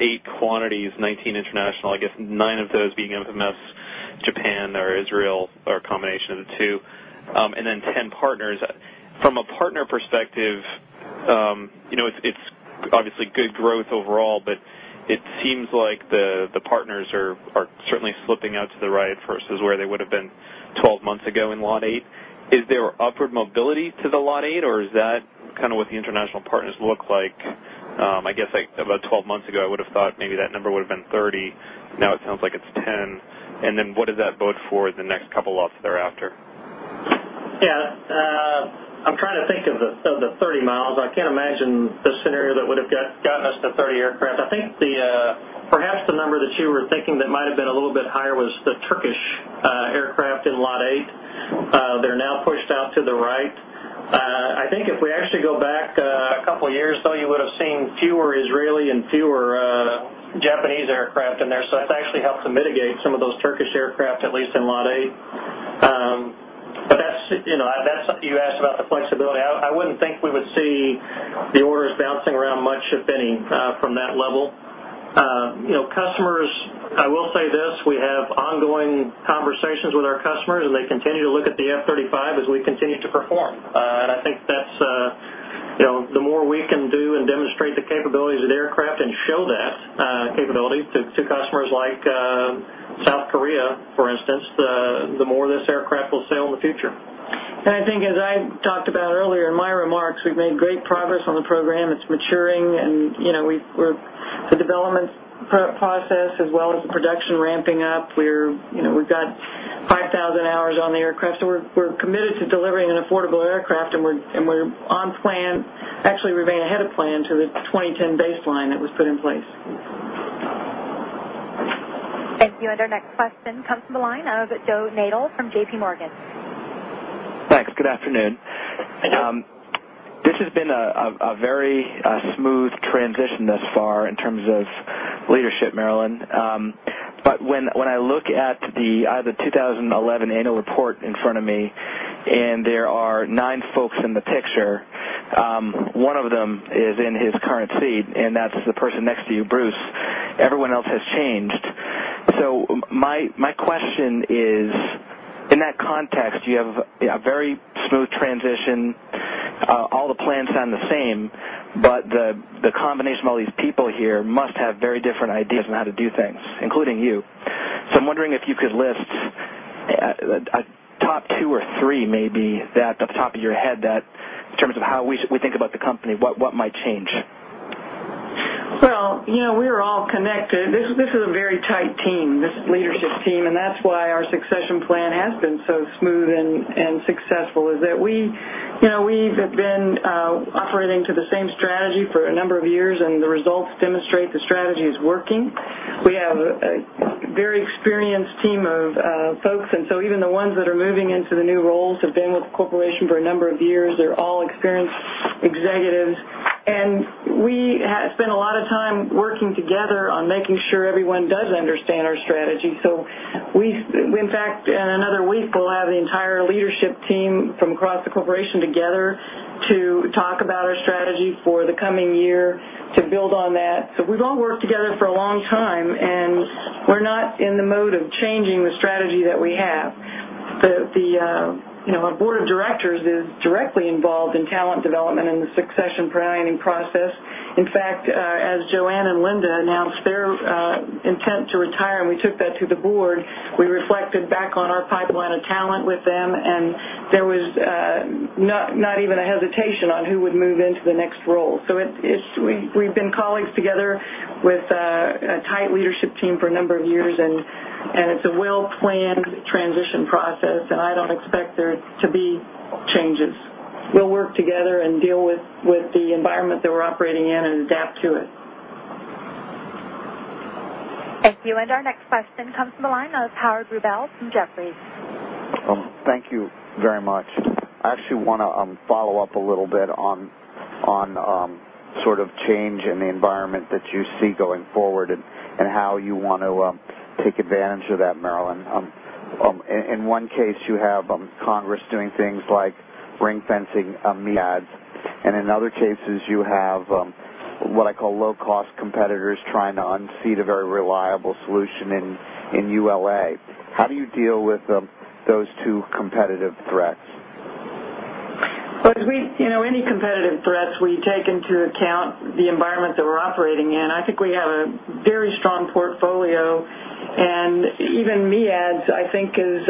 8 quantities, 19 international, I guess nine of those being FMS, Japan or Israel or a combination of the two, then 10 partners. From a partner perspective, it's obviously good growth overall, but it seems like the partners are certainly slipping out to the right versus where they would've been 12 months ago in Lot 8. Is there upward mobility to the Lot 8 or is that kind of what the international partners look like? I guess about 12 months ago, I would've thought maybe that number would've been 30. Now it sounds like it's 10. What does that bode for the next couple lots thereafter? Yeah. I'm trying to think of the 30, Myles. I can't imagine the scenario that would've gotten us to 30 aircraft. I think perhaps the number that you were thinking that might've been a little bit higher was the Turkish aircraft in Lot 8. They're now pushed out to the right. I think if we actually go back Help to mitigate some of those Turkish aircraft, at least in Lot 8. You asked about the flexibility. I wouldn't think we would see the orders bouncing around much, if any, from that level. I will say this, we have ongoing conversations with our customers, they continue to look at the F-35 as we continue to perform. I think the more we can do and demonstrate the capabilities of the aircraft and show that capability to customers like South Korea, for instance, the more this aircraft will sell in the future. I think as I talked about earlier in my remarks, we've made great progress on the program. It's maturing, and the development process as well as the production ramping up. We've got 5,000 hours on the aircraft. We're committed to delivering an affordable aircraft, and we're on plan. Actually, we're running ahead of plan to the 2010 baseline that was put in place. Thank you. Our next question comes from the line of Joe Nadol from JPMorgan. Thanks. Good afternoon. Hello. This has been a very smooth transition thus far in terms of leadership, Marillyn. I have the 2011 annual report in front of me, and there are nine folks in the picture. One of them is in his current seat, and that's the person next to you, Bruce. Everyone else has changed. My question is, in that context, you have a very smooth transition. All the plans sound the same, but the combination of all these people here must have very different ideas on how to do things, including you. I'm wondering if you could list a top two or three maybe that, off the top of your head, that in terms of how we think about the company, what might change? Well, we're all connected. This is a very tight team, this leadership team, and that's why our succession plan has been so smooth and successful is that we've been operating to the same strategy for a number of years, and the results demonstrate the strategy is working. We have a very experienced team of folks, and even the ones that are moving into the new roles have been with the corporation for a number of years. They're all experienced executives. We spend a lot of time working together on making sure everyone does understand our strategy. We, in fact, in another week, will have the entire leadership team from across the corporation together to talk about our strategy for the coming year to build on that. We've all worked together for a long time, and we're not in the mode of changing the strategy that we have. Our board of directors is directly involved in talent development and the succession planning process. In fact, as Joanne and Linda announced their intent to retire, and we took that to the board, we reflected back on our pipeline of talent with them, and there was not even a hesitation on who would move into the next role. We've been colleagues together with a tight leadership team for a number of years, and it's a well-planned transition process, and I don't expect there to be changes. We'll work together and deal with the environment that we're operating in and adapt to it. Thank you. Our next question comes from the line of Howard Rubel from Jefferies. Thank you very much. I actually want to follow up a little bit on change in the environment that you see going forward and how you want to take advantage of that, Marillyn. In one case, you have Congress doing things like ring-fencing MEADS, and in other cases, you have what I call low-cost competitors trying to unseat a very reliable solution in ULA. How do you deal with those two competitive threats? Any competitive threats, we take into account the environment that we're operating in. I think we have a very strong portfolio, and even MEADS, I think is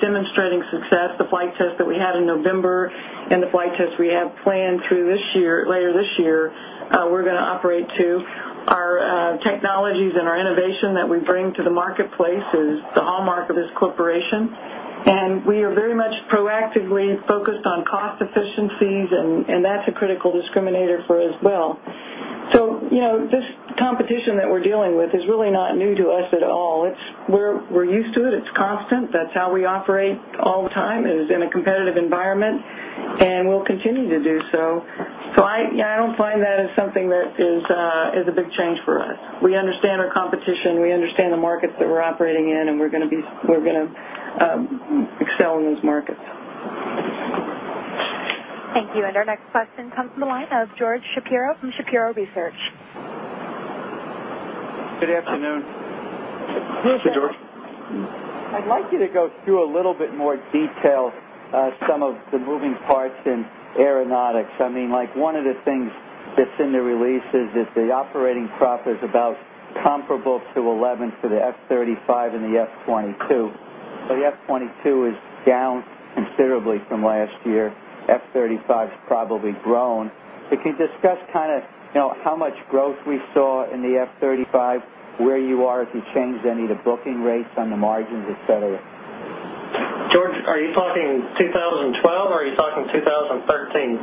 demonstrating success. The flight test that we had in November and the flight test we have planned through later this year, we're going to operate, too. Our technologies and our innovation that we bring to the marketplace is the hallmark of this corporation, and we are very much proactively focused on cost efficiencies, and that's a critical discriminator for us as well. This competition that we're dealing with is really not new to us at all. We're used to it. It's constant. That's how we operate all the time is in a competitive environment, and we'll continue to do so. I don't find that as something that is a big change for us. We understand our competition. We understand the markets that we're operating in, and we're going to excel in those markets. Thank you. Our next question comes from the line of George Shapiro from Shapiro Research. Good afternoon. George. I'd like you to go through a little bit more detail, some of the moving parts in aeronautics. One of the things that's in the release is that the operating profit is about comparable to 2011 for the F-35 and the F-22. The F-22 is down considerably from last year. F-35's probably grown. Can you discuss how much growth we saw in the F-35, where you are if you changed any of the booking rates on the margins, et cetera? George, are you talking 2012 or are you talking 2013?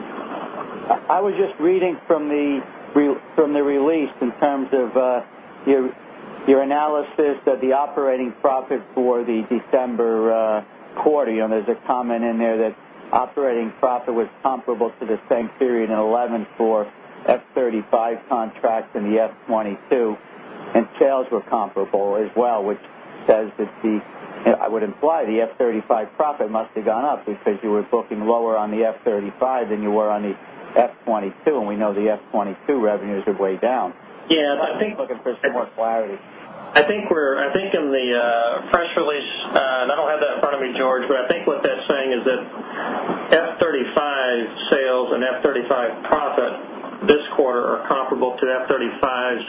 I was just reading from the release in terms of your analysis that the operating profit for the December quarter, there's a comment in there that operating profit was comparable to the same period in 2011 for F-35 contracts and the F-22. Sales were comparable as well, which says that, I would imply, the F-35 profit must have gone up because you were booking lower on the F-35 than you were on the F-22, and we know the F-22 revenues are way down. Yeah. I'm looking for some more clarity. I think in the press release, and I don't have that in front of me, George, but I think what that's saying is that F-35 sales and F-35 profit this quarter are comparable to F-35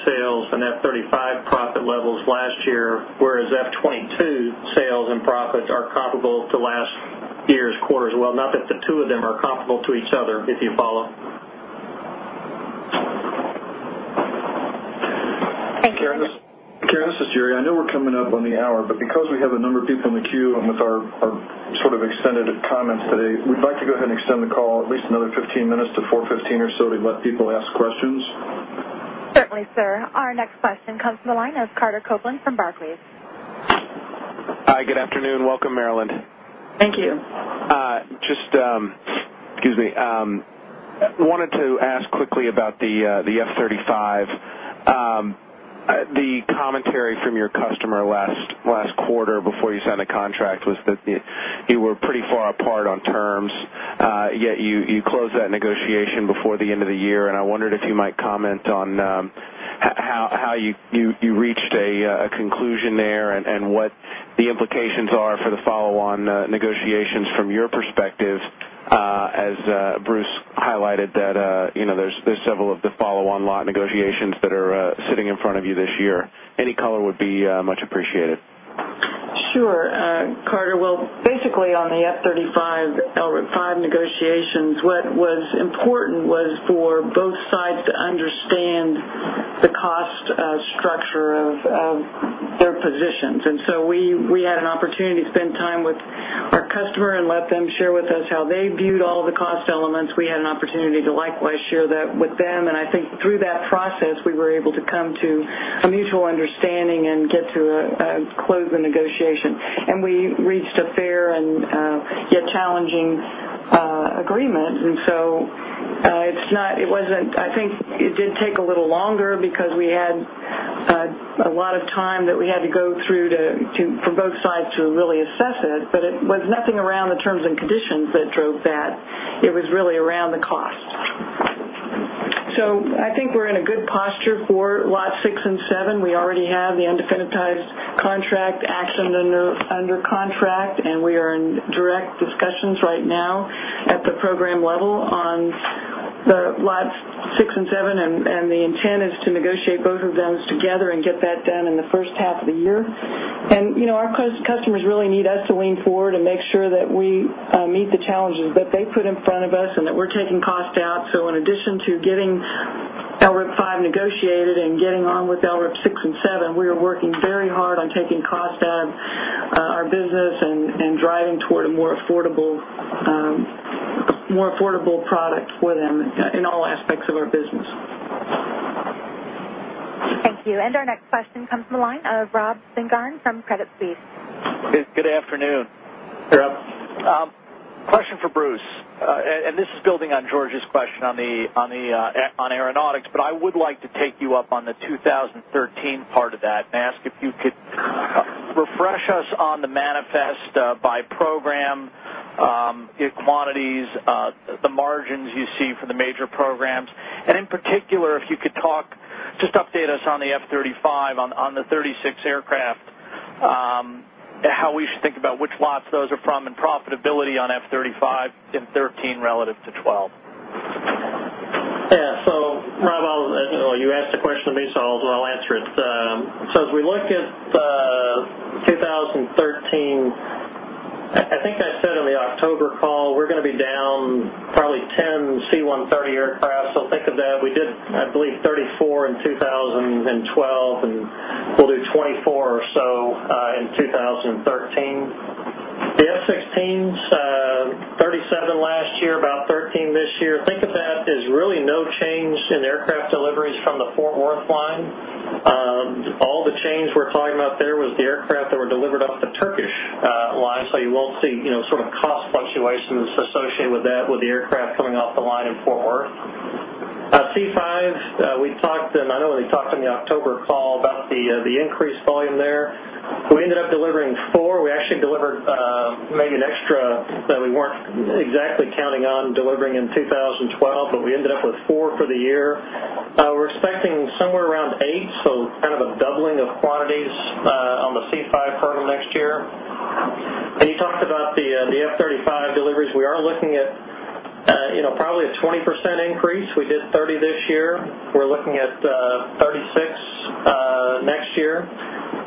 sales and F-35 profit levels last year, whereas F-22 sales and profits are comparable to last year's quarter as well, not that the two of them are comparable to each other, if you follow. Thank you. Karen, this is Jerry. I know we're coming up on the hour, but because we have a number of people in the queue and with our sort of extended comments today, we'd like to go ahead and extend the call at least another 15 minutes to 4:15 or so to let people ask questions. Certainly, sir. Our next question comes from the line of Carter Copeland from Barclays. Hi, good afternoon. Welcome, Marillyn. Thank you. Just, excuse me, wanted to ask quickly about the F-35. The commentary from your customer last quarter before you signed a contract was that you were pretty far apart on terms, yet you closed that negotiation before the end of the year, and I wondered if you might comment on how you reached a conclusion there and what the implications are for the follow-on negotiations from your perspective, as Bruce highlighted that there's several of the follow-on lot negotiations that are sitting in front of you this year. Any color would be much appreciated. Sure. Carter, well, basically on the F-35 LRIP 5 negotiations, what was important was for both sides to understand the cost structure of their positions. We had an opportunity to spend time with our customer and let them share with us how they viewed all of the cost elements. We had an opportunity to likewise share that with them. I think through that process, we were able to come to a mutual understanding and get to close the negotiation. We reached a fair and yet challenging agreement. I think it did take a little longer because we had a lot of time that we had to go through for both sides to really assess it. It was nothing around the terms and conditions that drove that. It was really around the cost. I think we're in a good posture for Lot 6 and 7. We already have the indefinite-type contract actions under contract, and we are in direct discussions right now at the program level on the Lots 6 and 7, and the intent is to negotiate both of those together and get that done in the first half of the year. Our customers really need us to lean forward and make sure that we meet the challenges that they put in front of us and that we're taking cost out. In addition to getting LRIP 5 negotiated and getting on with LRIP 6 and 7, we are working very hard on taking cost out our business and driving toward a more affordable product for them in all aspects of our business. Thank you. Our next question comes from the line of Rob Spingarn from Credit Suisse. Good afternoon. Hey, Rob. Question for Bruce. This is building on George's question on aeronautics, but I would like to take you up on the 2013 part of that and ask if you could refresh us on the manifest by program, quantities, the margins you see for the major programs, and in particular, if you could just update us on the F-35, on the 36 aircraft, how we should think about which lots those are from and profitability on F-35 in 2013 relative to 2012. Yeah. Rob, you asked the question of me, I'll answer it. As we look at 2013, I think I said on the October call, we're going to be down probably 10 C-130 aircraft, think of that. We did, I believe, 34 in 2012, and we'll do 24 or so in 2013. The F-16s, 37 last year, about 13 this year. Think of that as really no change in aircraft deliveries from the Fort Worth line. All the change we're talking about there was the aircraft that were delivered off the Turkish line, you will see sort of cost fluctuations associated with that with the aircraft coming off the line in Fort Worth. C-5, I know we talked on the October call about the increased volume there. We ended up delivering four. We actually delivered maybe an extra that we weren't exactly counting on delivering in 2012, we ended up with four for the year. We're expecting somewhere around eight, kind of a doubling of quantities on the C-5 program next year. You talked about the F-35 deliveries. We are looking at probably a 20% increase. We did 30 this year. We're looking at 36 next year.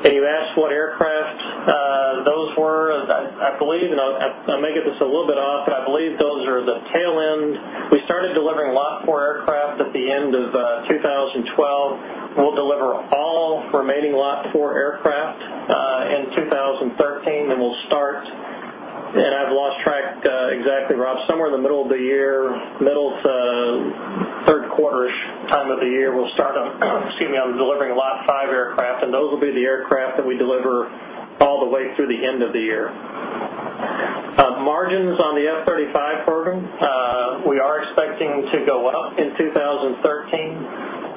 You asked what aircraft those were. I may get this a little bit off, but I believe those are the tail end. We started delivering Lot 4 aircraft at the end of 2012. We'll deliver all remaining Lot 4 aircraft in 2013, we'll start, I've lost track exactly, Rob, somewhere in the middle of the year, middle to third quarter-ish time of the year, we'll start on, excuse me, on delivering Lot 5 aircraft, those will be the aircraft that we deliver all the way through the end of the year. Margins on the F-35 program expecting to go up in 2013,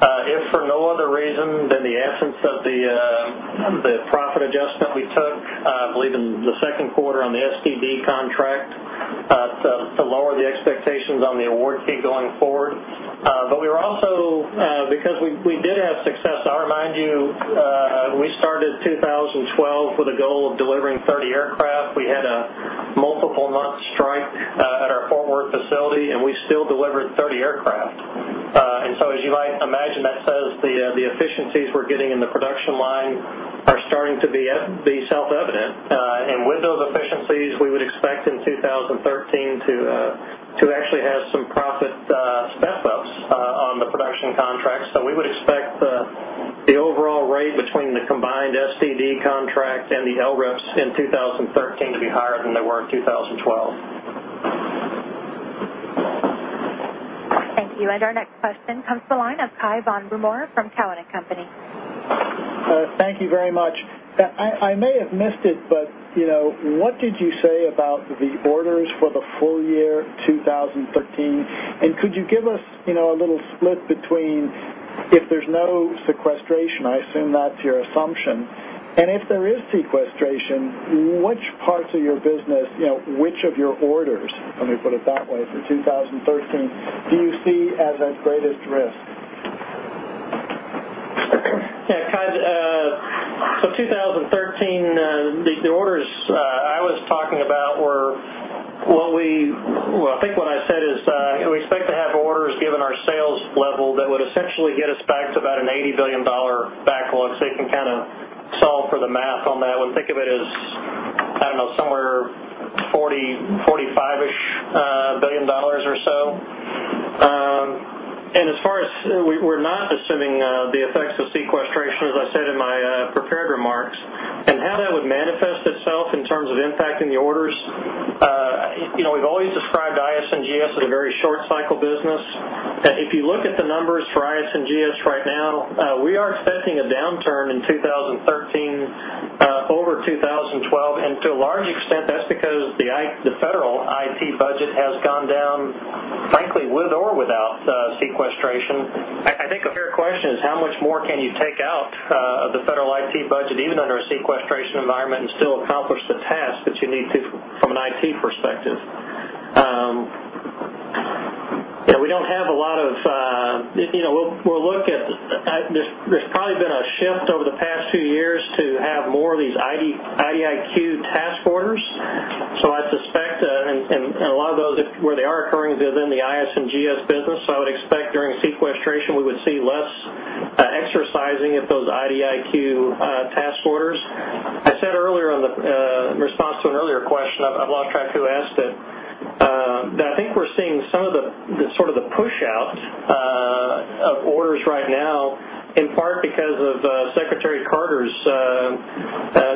if for no other reason than the absence of the profit adjustment we took, I believe in the second quarter on the SDD contract, to lower the expectations on the award fee going forward. We were also, because we did have success. I'll remind you, we started 2012 with a goal of delivering 30 aircraft. We had a multiple month strike at our Fort Worth facility, we still delivered 30 aircraft. As you might imagine, that says the efficiencies we're getting in the production line are starting to be self-evident. With those efficiencies, we would expect in 2013 to actually have some profit step-ups on the production contracts. We would expect the overall rate between the combined SDD contracts and the LRIPs in 2013 to be higher than they were in 2012. Thank you. Our next question comes to the line of Cai von Rumohr from Cowen and Company. Thank you very much. I may have missed it, but what did you say about the orders for the full year 2013? Could you give us a little split between if there's no sequestration, I assume that's your assumption, and if there is sequestration, which parts of your business, which of your orders, let me put it that way, for 2013, do you see as at greatest risk? Yeah, Cai, 2013, the orders I was talking about were Well, I think what I said is, we expect to have orders given our sales level that would essentially get us back to about an $80 billion backlog. You can kind of solve for the math on that one. Think of it as, I don't know, somewhere $40 billion, $45 billion-ish or so. As far as we're not assuming the effects of sequestration, as I said in my prepared remarks, and how that would manifest itself in terms of impacting the orders, we've always described IS&GS as a very short cycle business. If you look at the numbers for IS&GS right now, we are expecting a downturn in 2013 over 2012. To a large extent, that's because the federal IT budget has gone down, frankly, with or without sequestration. I think a fair question is how much more can you take out of the federal IT budget, even under a sequestration environment, and still accomplish the tasks that you need to from an IT perspective. There's probably been a shift over the past few years to have more of these IDIQ task orders. I suspect, and a lot of those where they are occurring is in the IS&GS business. I would expect during sequestration we would see less exercising of those IDIQ task orders. I said earlier in response to an earlier question, I've lost track who asked it, that I think we're seeing some of the sort of the push out of orders right now in part because of Ashton Carter's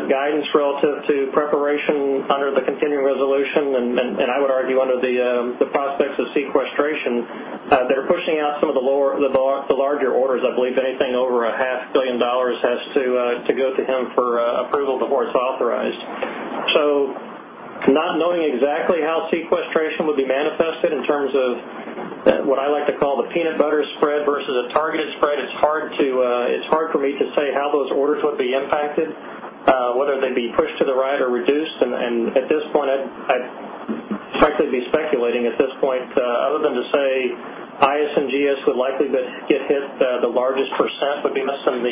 guidance relative to preparation under the continuing resolution and, I would argue, under the prospects of sequestration. They're pushing out some of the larger orders. I believe anything over a half billion dollars has to go to him for approval before it's authorized. Not knowing exactly how sequestration would be manifested in terms of what I like to call the peanut butter spread versus a targeted spread, it's hard for me to say how those orders would be impacted, whether they'd be pushed to the right or reduced. At this point, I'd likely be speculating at this point, other than to say IS&GS would likely get hit the largest % would be missing.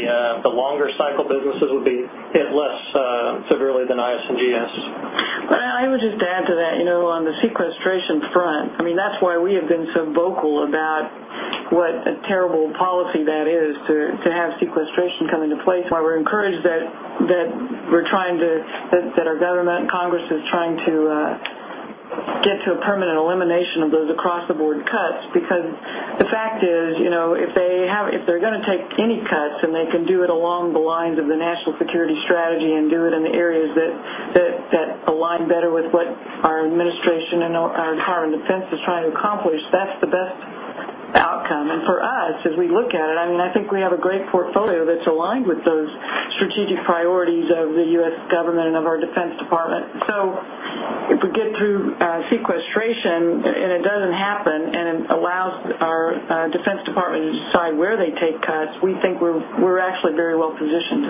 The longer cycle businesses would be hit less severely than IS&GS. I would just add to that, on the sequestration front, that's why we have been so vocal about what a terrible policy that is to have sequestration come into play. Why we're encouraged that our government and Congress is trying to get to a permanent elimination of those across the board cuts. The fact is, if they're going to take any cuts, and they can do it along the lines of the national security strategy and do it in the areas that align better with what our administration and our entire Defense is trying to accomplish, that's the best outcome. For us, as we look at it, I think we have a great portfolio that's aligned with those strategic priorities of the U.S. government and of our Defense Department. If we get through sequestration and it doesn't happen and it allows our Defense Department to decide where they take cuts, we think we're actually very well positioned.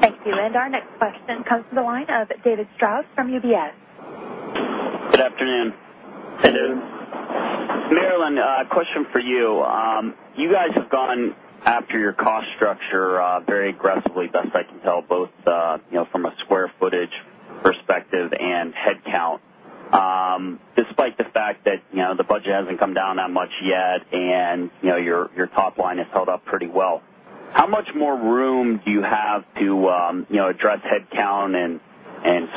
Thank you. Our next question comes to the line of David Strauss from UBS. Good afternoon. Hey, David. Marillyn, a question for you. You guys have gone after your cost structure very aggressively, best I can tell, both from a square footage perspective and head count, despite the fact that the budget hasn't come down that much yet and your top line has held up pretty well. How much more room do you have to address head count and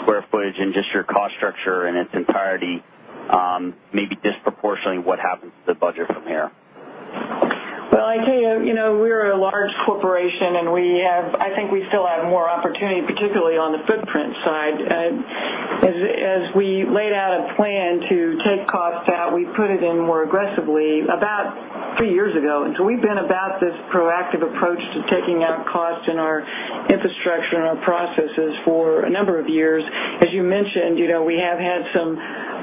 square footage and just your cost structure in its entirety, maybe disproportionately what happens to the budget from here? Well, I tell you, we're a large corporation, and I think we still have more opportunity, particularly on the footprint side. As we laid out a plan to take costs, we put it in more aggressively about three years ago. We've been about this proactive approach to taking out cost in our infrastructure and our processes for a number of years. As you mentioned, we have had some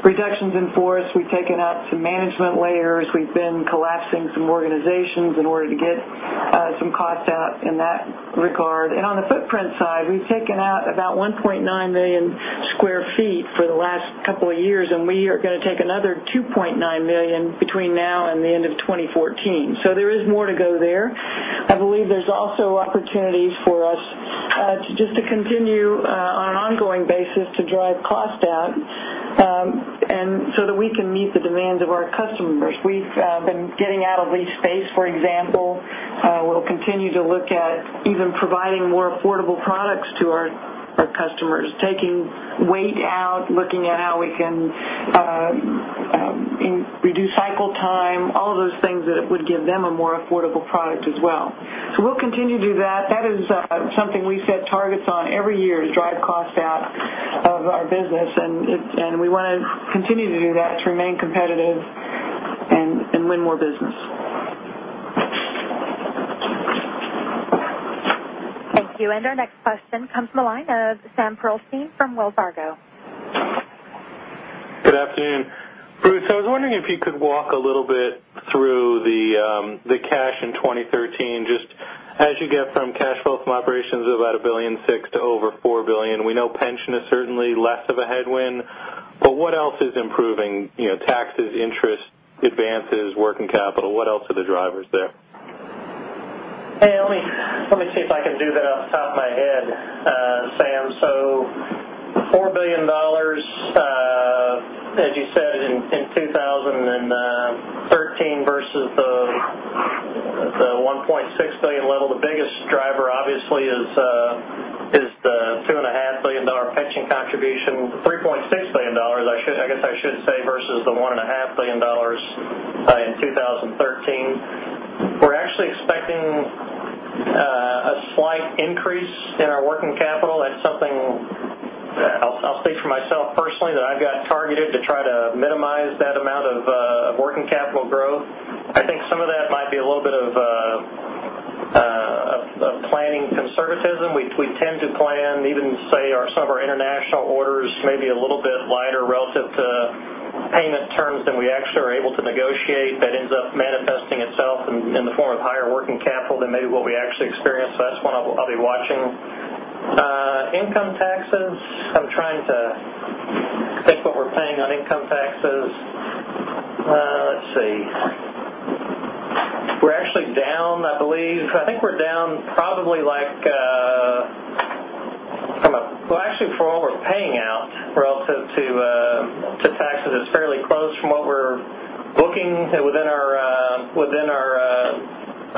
reductions in force. We've taken out some management layers. We've been collapsing some organizations in order to get some cost out in that regard. On the footprint side, we've taken out about 1.9 million square feet for the last couple of years, and we are going to take another 2.9 million between now and the end of 2014. There is more to go there. I believe there's also opportunities for us just to continue, on an ongoing basis, to drive cost out so that we can meet the demands of our customers. We've been getting out of lease space, for example. We'll continue to look at even providing more affordable products to our customers, taking weight out, looking at how we can reduce cycle time, all of those things that would give them a more affordable product as well. We'll continue to do that. That is something we set targets on every year, to drive cost out of our business, and we want to continue to do that to remain competitive and win more business. Thank you. Our next question comes from the line of Samuel Pearlstein from Wells Fargo. Good afternoon. Bruce, I was wondering if you could walk a little bit through the cash in 2013, just as you get from cash flow from operations of about $1.6 billion to over $4 billion. We know pension is certainly less of a headwind. What else is improving? Taxes, interest, advances, working capital, what else are the drivers there? Hey, let me see if I can do that off the top of my head, Sam. $4 billion, as you said, in 2013 versus the $1.6 billion level. The biggest driver, obviously, is the $2.5 billion pension contribution, $3.6 billion, I guess I should say, versus the $1.5 billion in 2013. We're actually expecting a slight increase in our working capital. That's something, I'll speak for myself personally, that I've got targeted to try to minimize that amount of working capital growth. I think some of that might be a little bit of planning conservatism. We tend to plan even, say, some of our international orders may be a little bit lighter relative to payment terms than we actually are able to negotiate. That ends up manifesting itself in the form of higher working capital than maybe what we actually experience. That's one I'll be watching. Income taxes, I'm trying to think what we're paying on income taxes. Let's see. We're actually down, I believe. I think we're down probably like Well, actually, for what we're paying out relative to taxes, it's fairly close from what we're booking within our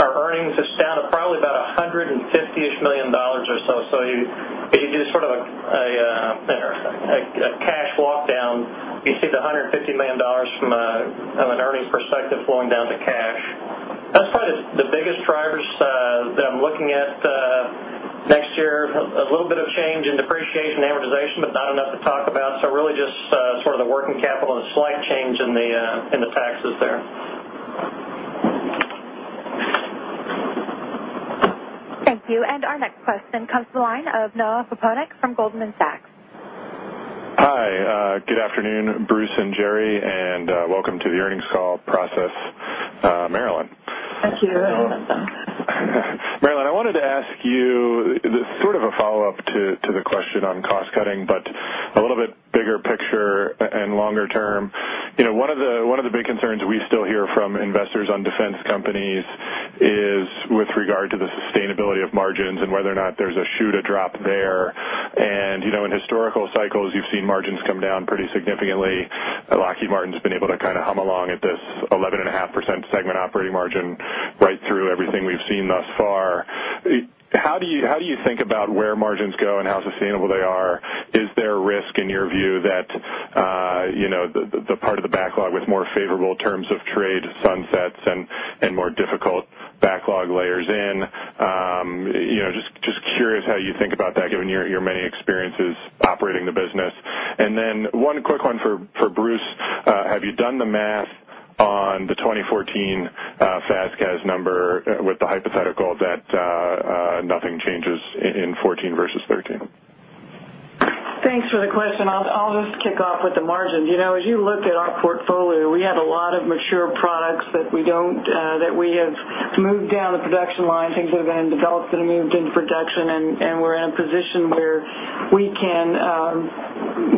earnings. It's down to probably about $150-ish million or so. If you do sort of a cash walk-down, you see the $150 million from an earnings perspective flowing down to cash. That's probably the biggest drivers that I'm looking at next year. A little bit of change in depreciation and amortization, but not enough to talk about. Really just sort of the working capital and a slight change in the taxes there. Thank you. Our next question comes to the line of Noah Poponak from Goldman Sachs. Hi. Good afternoon, Bruce and Jerry, and welcome to the earnings call process, Marillyn. Thank you. Marillyn, I wanted to ask you sort of a follow-up to the question on cost-cutting, but a little bit bigger picture and longer term. One of the big concerns we still hear from investors on defense companies is with regard to the sustainability of margins and whether or not there's a shoe to drop there. In historical cycles, you've seen margins come down pretty significantly. Lockheed Martin's been able to kind of hum along at this 11.5% segment operating margin right through everything we've seen thus far. How do you think about where margins go and how sustainable they are? Is there a risk, in your view, that the part of the backlog with more favorable terms of trade sunsets and more difficult backlog layers in? Just curious how you think about that, given your many experiences operating the business. Then one quick one for Bruce. Have you done the math on the 2014 FAS/CAS number with the hypothetical that nothing changes in 2014 versus 2013? Thanks for the question. I'll just kick off with the margin. As you look at our portfolio, we have a lot of mature products that we have moved down the production line, things that have been developed and moved into production, and we're in a position where we can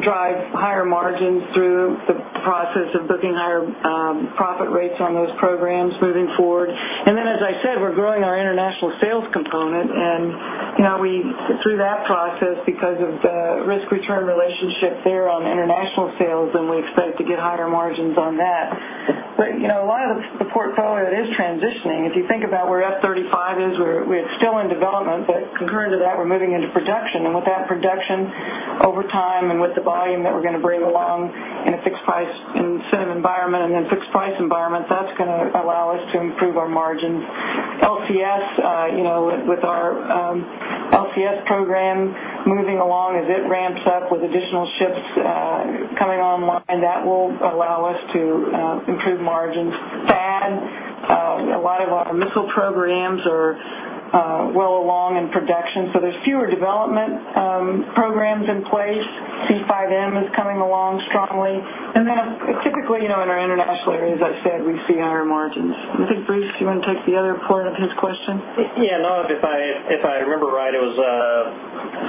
drive higher margins through the process of booking higher profit rates on those programs moving forward. Then, as I said, we're growing our international sales component, and through that process, because of the risk-return relationship there on international sales, and we expect to get higher margins on that. A lot of the portfolio, it is transitioning. If you think about where F-35 is, we're still in development, but concurrent to that, we're moving into production. With that production, over time and with the volume that we're going to bring along in a fixed price incentive environment and then fixed price environments, that's going to allow us to improve our margins. LCS program moving along as it ramps up with additional ships coming online, that will allow us to improve margins. FAAD, a lot of our missile programs are well along in production, so there's fewer development programs in place. C5M is coming along strongly. Then, typically, in our international areas, as I said, we see higher margins. I think, Bruce, you want to take the other part of his question? Yeah. If I remember right, it was,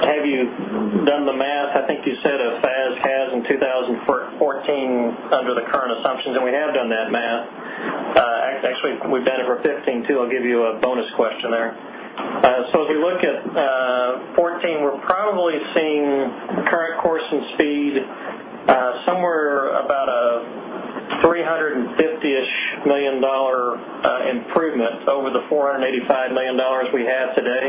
have you done the math? I think you said a FAS CAS in 2014 under the current assumptions, we have done that math. Actually, we've done it for 2015, too. I'll give you a bonus question there. If you look at 2014, we're probably seeing current course and speed, somewhere about a $350-ish million improvement over the $485 million we have today.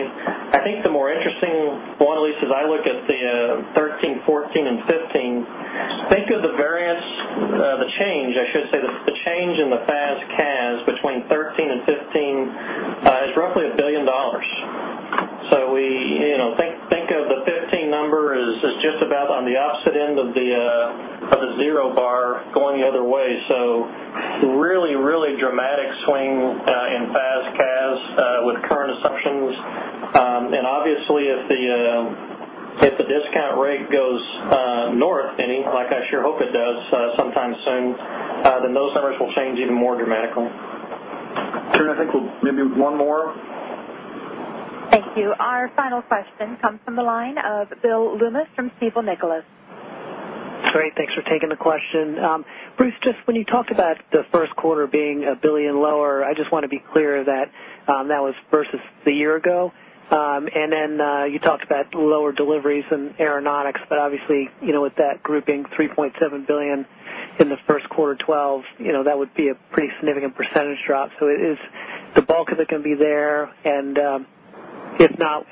I think the more interesting one, at least as I look at the 2013, 2014, and 2015, think of the variance, the change, I should say, the change in the FAS CAS between 2013 and 2015, is roughly $1 billion. Think of the 2015 number as just about on the opposite end of the zero bar going the other way. Really, really dramatic swing in FAS CAS with current assumptions. Obviously if the discount rate goes north any, like I sure hope it does sometime soon, those numbers will change even more dramatically. Karen, I think we'll maybe one more. Thank you. Our final question comes from the line of William Loomis from Stifel Nicolaus. Great, thanks for taking the question. Bruce, when you talked about the first quarter being $1 billion lower, I just want to be clear that was versus the year ago. You talked about lower deliveries in aeronautics, obviously, with that grouping, $3.7 billion in the first quarter 2012, that would be a pretty significant % drop. Is the bulk of it going to be there? If not,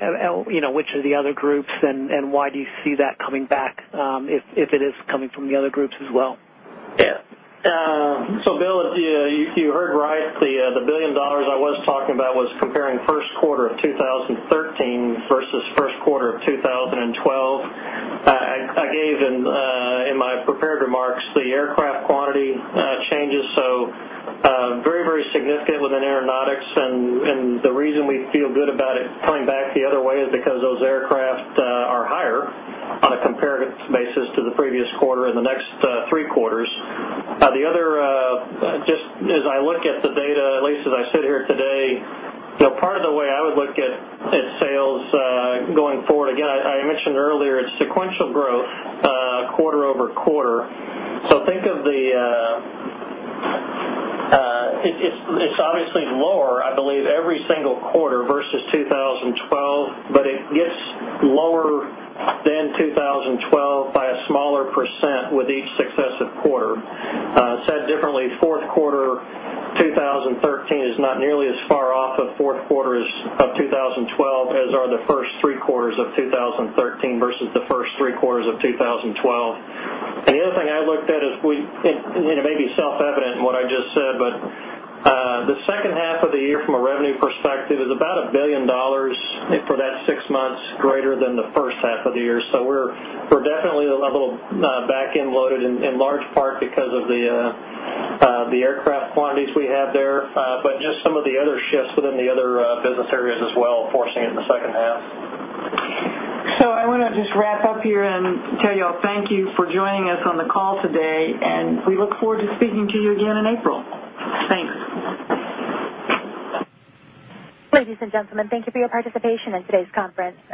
which of the other groups and why do you see that coming back, if it is coming from the other groups as well? Yeah. Bill, you heard right. The $1 billion I was talking about was comparing first quarter of 2013 versus first quarter of 2012. I gave in my prepared remarks, the aircraft quantity changes, very, very significant within aeronautics, the reason we feel good about it coming back the other way is because those aircraft are higher on a comparative basis to the previous quarter and the next three quarters. The other, just as I look at the data, at least as I sit here today, part of the way I would look at sales going forward, again, I mentioned earlier it's sequential growth, quarter-over-quarter. It's obviously lower, I believe, every single quarter versus 2012, it gets lower than 2012 by a smaller % with each successive quarter. Said differently, Q4 2013 is not nearly as far off of Q4 of 2012 as are the first three quarters of 2013 versus the first three quarters of 2012. The other thing I looked at is, it may be self-evident in what I just said, the second half of the year from a revenue perspective is about $1 billion for that 6 months greater than the first half of the year. We're definitely a level back-end loaded in large part because of the aircraft quantities we have there. Just some of the other shifts within the other business areas as well, forcing it in the second half. I want to just wrap up here and tell you all thank you for joining us on the call today, we look forward to speaking to you again in April. Thanks. Ladies and gentlemen, thank you for your participation in today's conference.